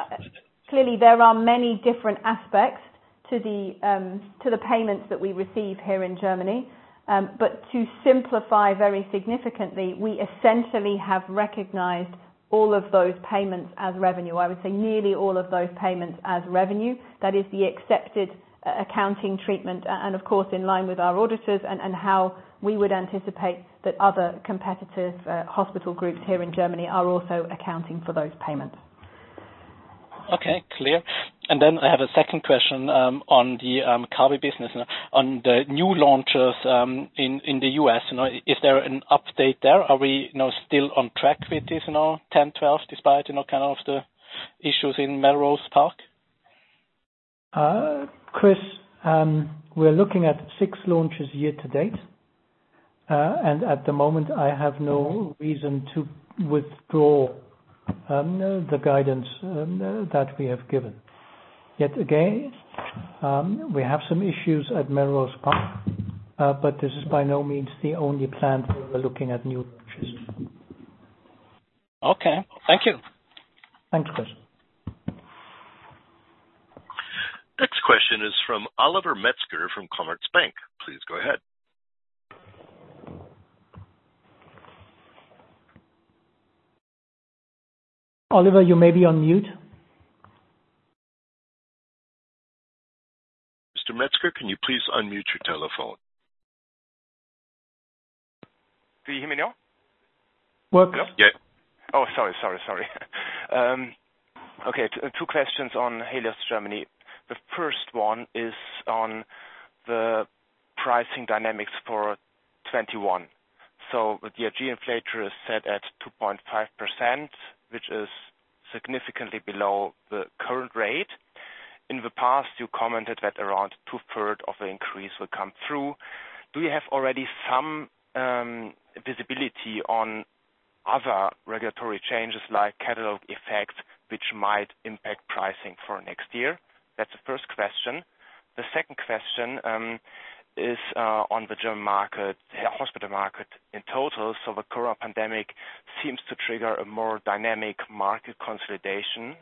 Clearly, there are many different aspects to the payments that we receive here in Germany. To simplify very significantly, we essentially have recognized all of those payments as revenue, I would say nearly all of those payments as revenue. That is the accepted accounting treatment, and of course, in line with our auditors and how we would anticipate that other competitive hospital groups here in Germany are also accounting for those payments. Okay, clear. I have a second question on the Kabi business on the new launches in the U.S. Is there an update there? Are we now still on track with this now, 10, 12, despite the issues in Melrose Park? Chris, we're looking at six launches year to date. At the moment, I have no reason to withdraw the guidance that we have given. Again, we have some issues at Melrose Park, but this is by no means the only plan where we're looking at new launches. Okay. Thank you. Thanks, Chris. Next question is from Oliver Metzger from Commerzbank. Please go ahead. Oliver, you may be on mute. Mr. Metzger, can you please unmute your telephone? Do you hear me now? Yep. Two questions on Helios Germany. The first one is on the pricing dynamics for 2021. The DRG inflator is set at 2.5%, which is significantly below the current rate. In the past, you commented that around two-third of the increase will come through. Do you have already some visibility on other regulatory changes like catalog effect, which might impact pricing for next year? That's the first question. The second question is on the German market, hospital market in total. The current pandemic seems to trigger a more dynamic market consolidation.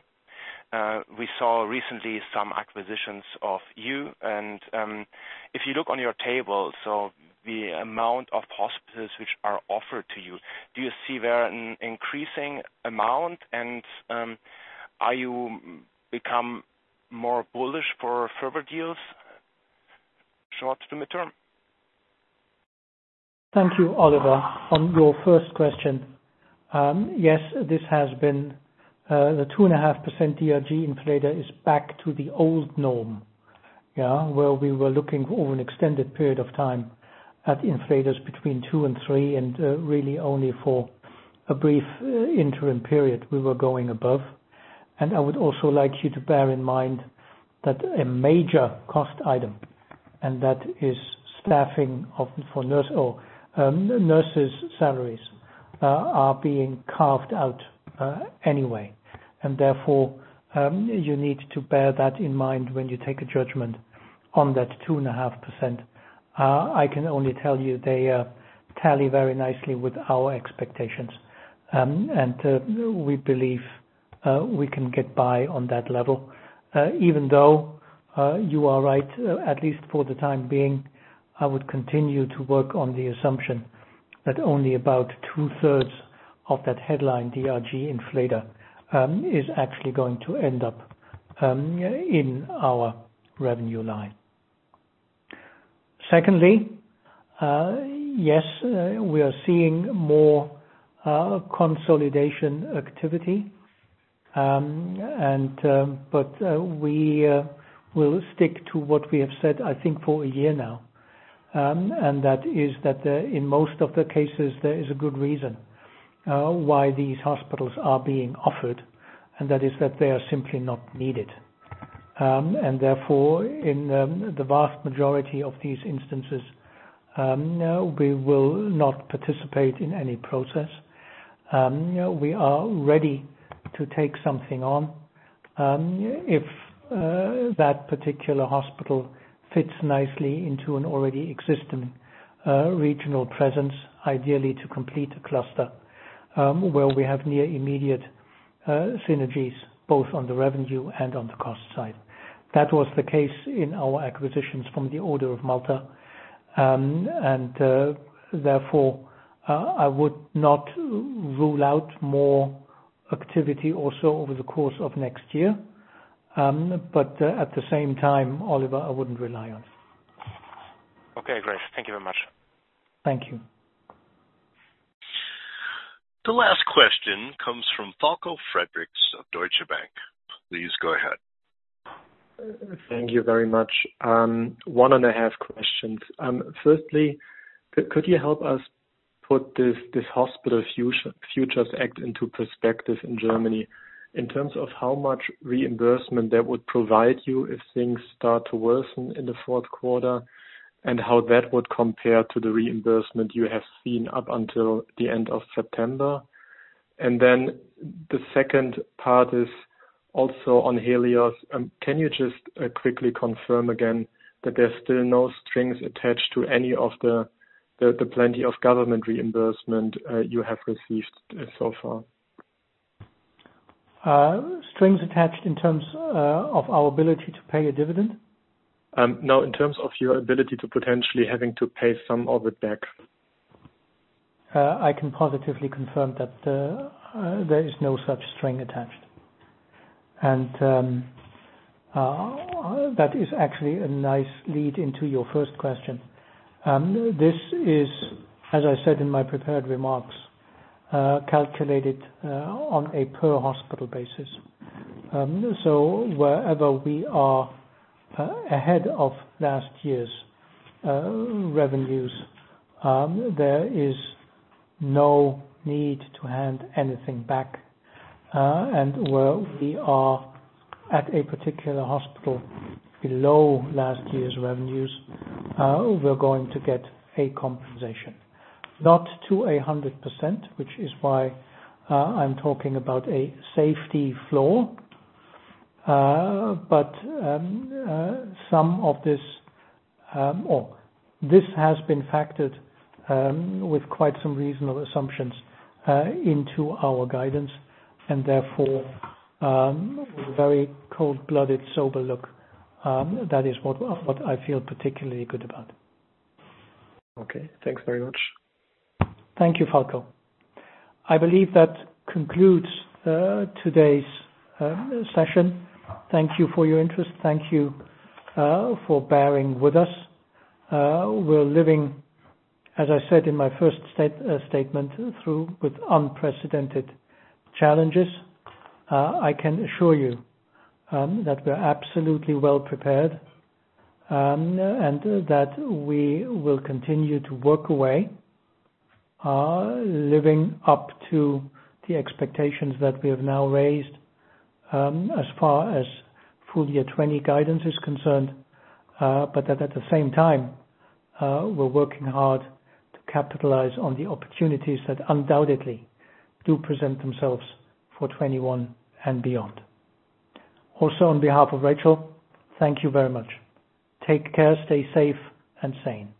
We saw recently some acquisitions of you and if you look on your table, the amount of hospitals which are offered to you, do you see there an increasing amount? Are you become more bullish for further deals short to midterm? Thank you, Oliver. On your first question, yes, this has been the 2.5% DRG inflator is back to the old norm. Where we were looking over an extended period of time at inflators between 2% and 3%, and really only for a brief interim period, we were going above. I would also like you to bear in mind that a major cost item, and that is staffing for nurses or nurses' salaries, are being carved out anyway. Therefore, you need to bear that in mind when you take a judgment on that 2.5%. I can only tell you they tally very nicely with our expectations. We believe we can get by on that level. Even though you are right at least for the time being, I would continue to work on the assumption that only about 2/3 of that headline DRG inflator is actually going to end up in our revenue line. Secondly, yes, we are seeing more consolidation activity. We will stick to what we have said, I think for a year now. That is that in most of the cases, there is a good reason why these hospitals are being offered, and that is that they are simply not needed. Therefore, in the vast majority of these instances, we will not participate in any process. We are ready to take something on, if that particular hospital fits nicely into an already existing regional presence, ideally to complete a cluster, where we have near immediate synergies, both on the revenue and on the cost side. That was the case in our acquisitions from the Order of Malta. Therefore, I would not rule out more activity also over the course of next year. At the same time, Oliver, I wouldn't rely on it. Okay, great. Thank you very much. Thank you. The last question comes from Falko Friedrichs of Deutsche Bank. Please go ahead. Thank you very much. One and a half questions. Firstly, could you help us put this Hospital Future Act into perspective in Germany in terms of how much reimbursement that would provide you if things start to worsen in the fourth quarter, and how that would compare to the reimbursement you have seen up until the end of September? The second part is also on Helios. Can you just quickly confirm again that there's still no strings attached to any of the plenty of government reimbursement you have received so far? Strings attached in terms of our ability to pay a dividend? No, in terms of your ability to potentially having to pay some of it back. I can positively confirm that there is no such string attached. That is actually a nice lead into your first question. This is, as I said in my prepared remarks, calculated on a per hospital basis. Wherever we are ahead of last year's revenues, there is no need to hand anything back. Where we are at a particular hospital below last year's revenues, we're going to get a compensation, not to 100%, which is why I'm talking about a safety floor. This has been factored, with quite some reasonable assumptions, into our guidance and therefore, with a very cold-blooded, sober look. That is what I feel particularly good about. Okay, thanks very much. Thank you, Falko. I believe that concludes today's session. Thank you for your interest. Thank you for bearing with us. We're living, as I said in my first statement, through with unprecedented challenges. I can assure you that we're absolutely well-prepared, and that we will continue to work away, living up to the expectations that we have now raised as far as full year 2020 guidance is concerned. That at the same time, we're working hard to capitalize on the opportunities that undoubtedly do present themselves for 2021 and beyond. Also, on behalf of Rachel, thank you very much. Take care. Stay safe and sane.